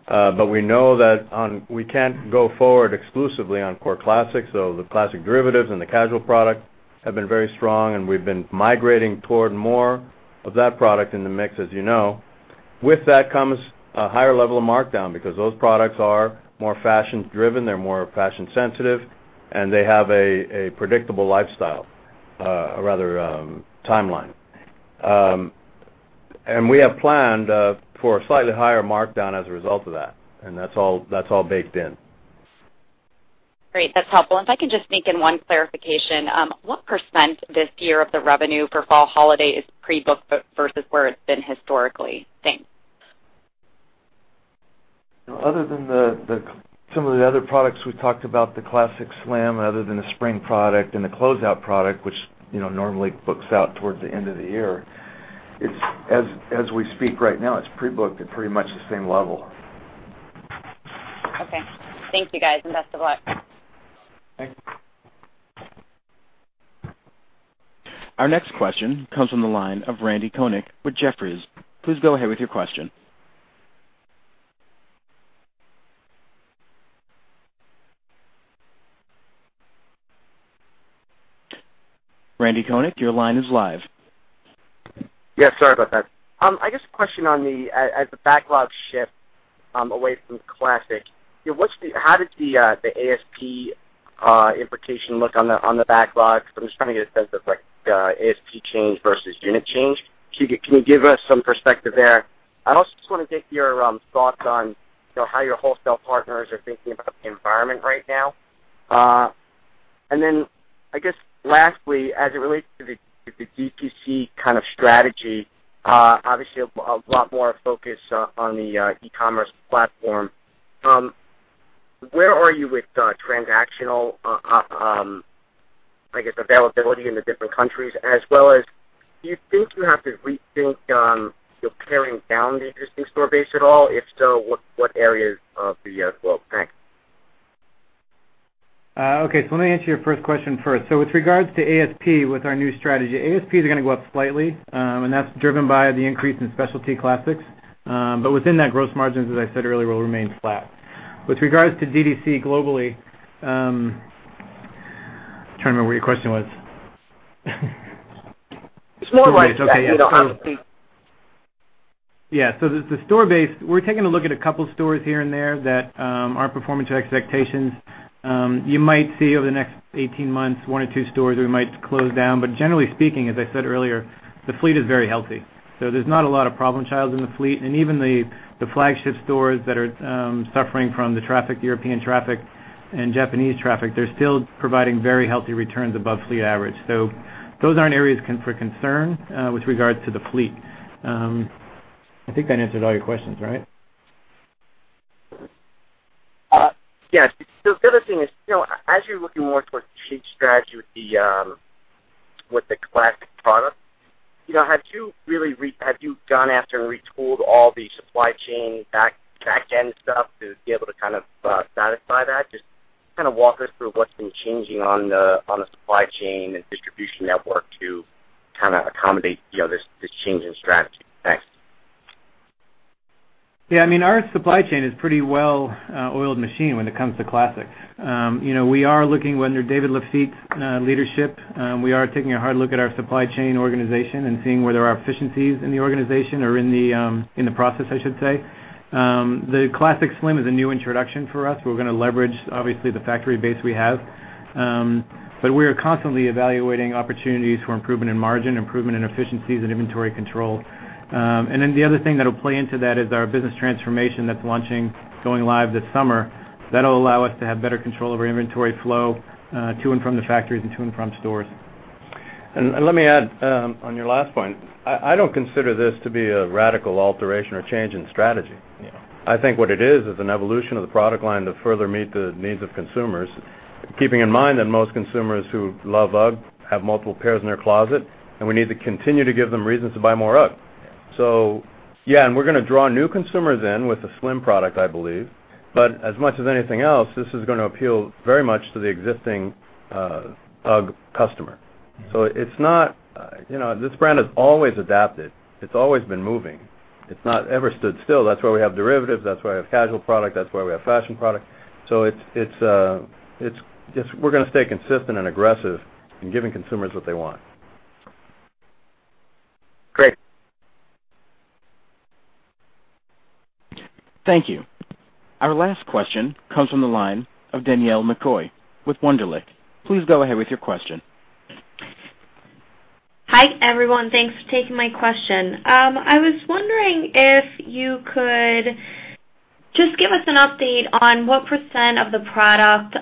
We know that we can't go forward exclusively on Core Classics, so the classic derivatives and the casual product have been very strong, and we've been migrating toward more of that product in the mix, as you know. With that comes a higher level of markdown because those products are more fashion driven, they're more fashion sensitive, and they have a predictable lifestyle, or rather, timeline. We have planned for a slightly higher markdown as a result of that, and that's all baked in. Great. That's helpful. If I can just sneak in one clarification. What % this year of the revenue for fall holiday is pre-booked versus where it's been historically? Thanks. Other than some of the other products we've talked about, the Classic Slim other than the spring product and the closeout product, which normally books out towards the end of the year, as we speak right now, it's pre-booked at pretty much the same level. Okay. Thank you, guys, and best of luck. Thanks. Our next question comes from the line of Randal Konik with Jefferies. Please go ahead with your question. Randal Konik, your line is live. Yeah, sorry about that. I guess a question on the, as the backlog shifts away from Classic, how did the ASP implication look on the backlog? Because I'm just trying to get a sense of like ASP change versus unit change. Can you give us some perspective there? I also just want to get your thoughts on how your wholesale partners are thinking about the environment right now. Then I guess lastly, as it relates to the D2C kind of strategy, obviously a lot more focus on the e-commerce platform. Where are you with transactional, I guess, availability in the different countries, as well as, do you think you have to rethink your paring down the existing store base at all? If so, what areas of the globe? Thanks. Okay. Let me answer your first question first. With regards to ASP with our new strategy, ASPs are going to go up slightly, and that's driven by the increase in specialty Classics. Within that, gross margins, as I said earlier, will remain flat. With regards to D2C globally, I'm trying to remember what your question was. It's more like Okay, yes. obviously. Yes. The store base, we're taking a look at a couple stores here and there that aren't performing to expectations. You might see over the next 18 months one or two stores we might close down. Generally speaking, as I said earlier, the fleet is very healthy. There's not a lot of problem children in the fleet. Even the flagship stores that are suffering from the traffic, European traffic and Japanese traffic, they're still providing very healthy returns above fleet average. Those aren't areas for concern with regards to the fleet. I think that answered all your questions, right? Yes. The other thing is, as you're looking more towards the DTC strategy with the Classic product, have you gone after and retooled all the supply chain back-end stuff to be able to kind of satisfy that? Just kind of walk us through what's been changing on the supply chain and distribution network to kind of accommodate this changing strategy. Thanks. Yes, our supply chain is pretty well-oiled machine when it comes to Classic. Under David Lafitte's leadership, we are taking a hard look at our supply chain organization and seeing where there are efficiencies in the organization or in the process, I should say. The Classic Slim is a new introduction for us. We're going to leverage, obviously, the factory base we have. We are constantly evaluating opportunities for improvement in margin, improvement in efficiencies and inventory control. The other thing that'll play into that is our business transformation that's launching, going live this summer. That'll allow us to have better control over inventory flow to and from the factories and to and from stores. Let me add on your last point. I don't consider this to be a radical alteration or change in strategy. Yeah. I think what it is is an evolution of the product line to further meet the needs of consumers, keeping in mind that most consumers who love UGG have multiple pairs in their closet, and we need to continue to give them reasons to buy more UGG. Yeah. Yeah, we're going to draw new consumers in with the Slim product, I believe. As much as anything else, this is going to appeal very much to the existing UGG customer. This brand has always adapted. It's always been moving. It's not ever stood still. That's why we have derivatives, that's why we have casual product, that's why we have fashion product. We're going to stay consistent and aggressive in giving consumers what they want. Great. Thank you. Our last question comes from the line of Danielle McCoy with Wunderlich. Please go ahead with your question. Hi, everyone. Thanks for taking my question. I was wondering if you could just give us an update on what % of the product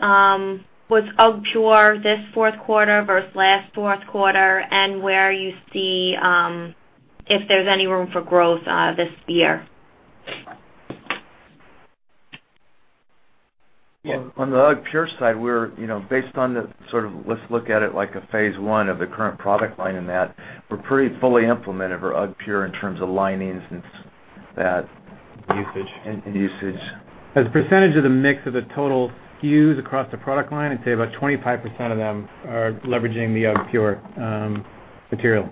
was UGGpure this fourth quarter versus last fourth quarter, and where you see if there's any room for growth this year. Yeah. On the UGGpure side, based on the sort of, let's look at it like a phase 1 of the current product line in that we're pretty fully implemented for UGGpure in terms of linings. Usage Usage. As a percentage of the mix of the total SKUs across the product line, I'd say about 25% of them are leveraging the UGGpure material.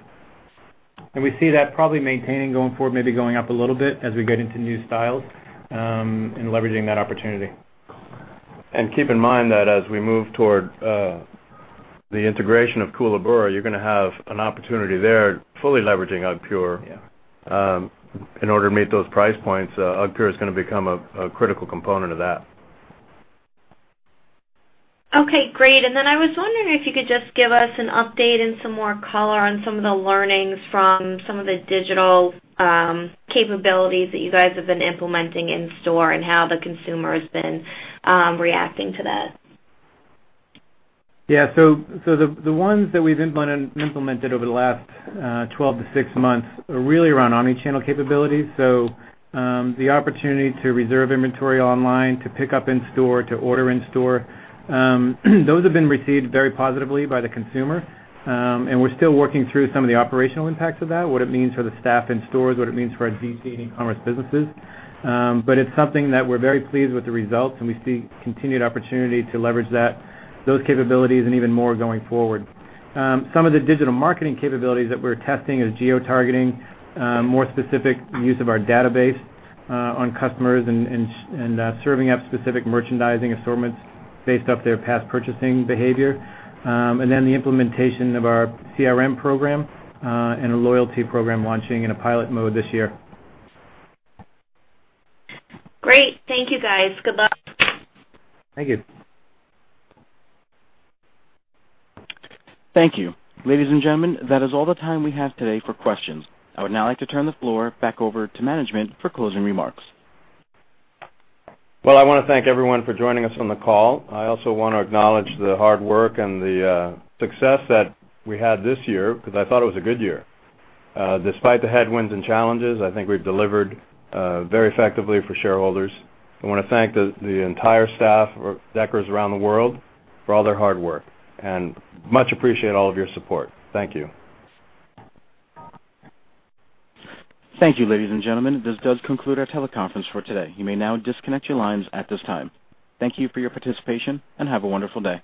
We see that probably maintaining going forward, maybe going up a little bit as we get into new styles and leveraging that opportunity. Keep in mind that as we move toward the integration of Koolaburra, you're going to have an opportunity there, fully leveraging UGGpure. Yeah. In order to meet those price points, UGGpure is going to become a critical component of that. Okay, great. I was wondering if you could just give us an update and some more color on some of the learnings from some of the digital capabilities that you guys have been implementing in store and how the consumer has been reacting to that. Yeah. The ones that we've implemented over the last 12 to six months are really around omni-channel capabilities. The opportunity to reserve inventory online, to pick up in store, to order in store those have been received very positively by the consumer. We're still working through some of the operational impacts of that, what it means for the staff in stores, what it means for our DT and e-commerce businesses. It's something that we're very pleased with the results, and we see continued opportunity to leverage those capabilities and even more going forward. Some of the digital marketing capabilities that we're testing is geotargeting, more specific use of our database on customers and serving up specific merchandising assortments based off their past purchasing behavior. The implementation of our CRM program and a loyalty program launching in a pilot mode this year. Great. Thank you, guys. Good luck. Thank you. Thank you. Ladies and gentlemen, that is all the time we have today for questions. I would now like to turn the floor back over to management for closing remarks. I want to thank everyone for joining us on the call. I also want to acknowledge the hard work and the success that we had this year because I thought it was a good year. Despite the headwinds and challenges, I think we've delivered very effectively for shareholders. I want to thank the entire staff of Deckers around the world for all their hard work, and much appreciate all of your support. Thank you. Thank you, ladies and gentlemen. This does conclude our teleconference for today. You may now disconnect your lines at this time. Thank you for your participation, and have a wonderful day.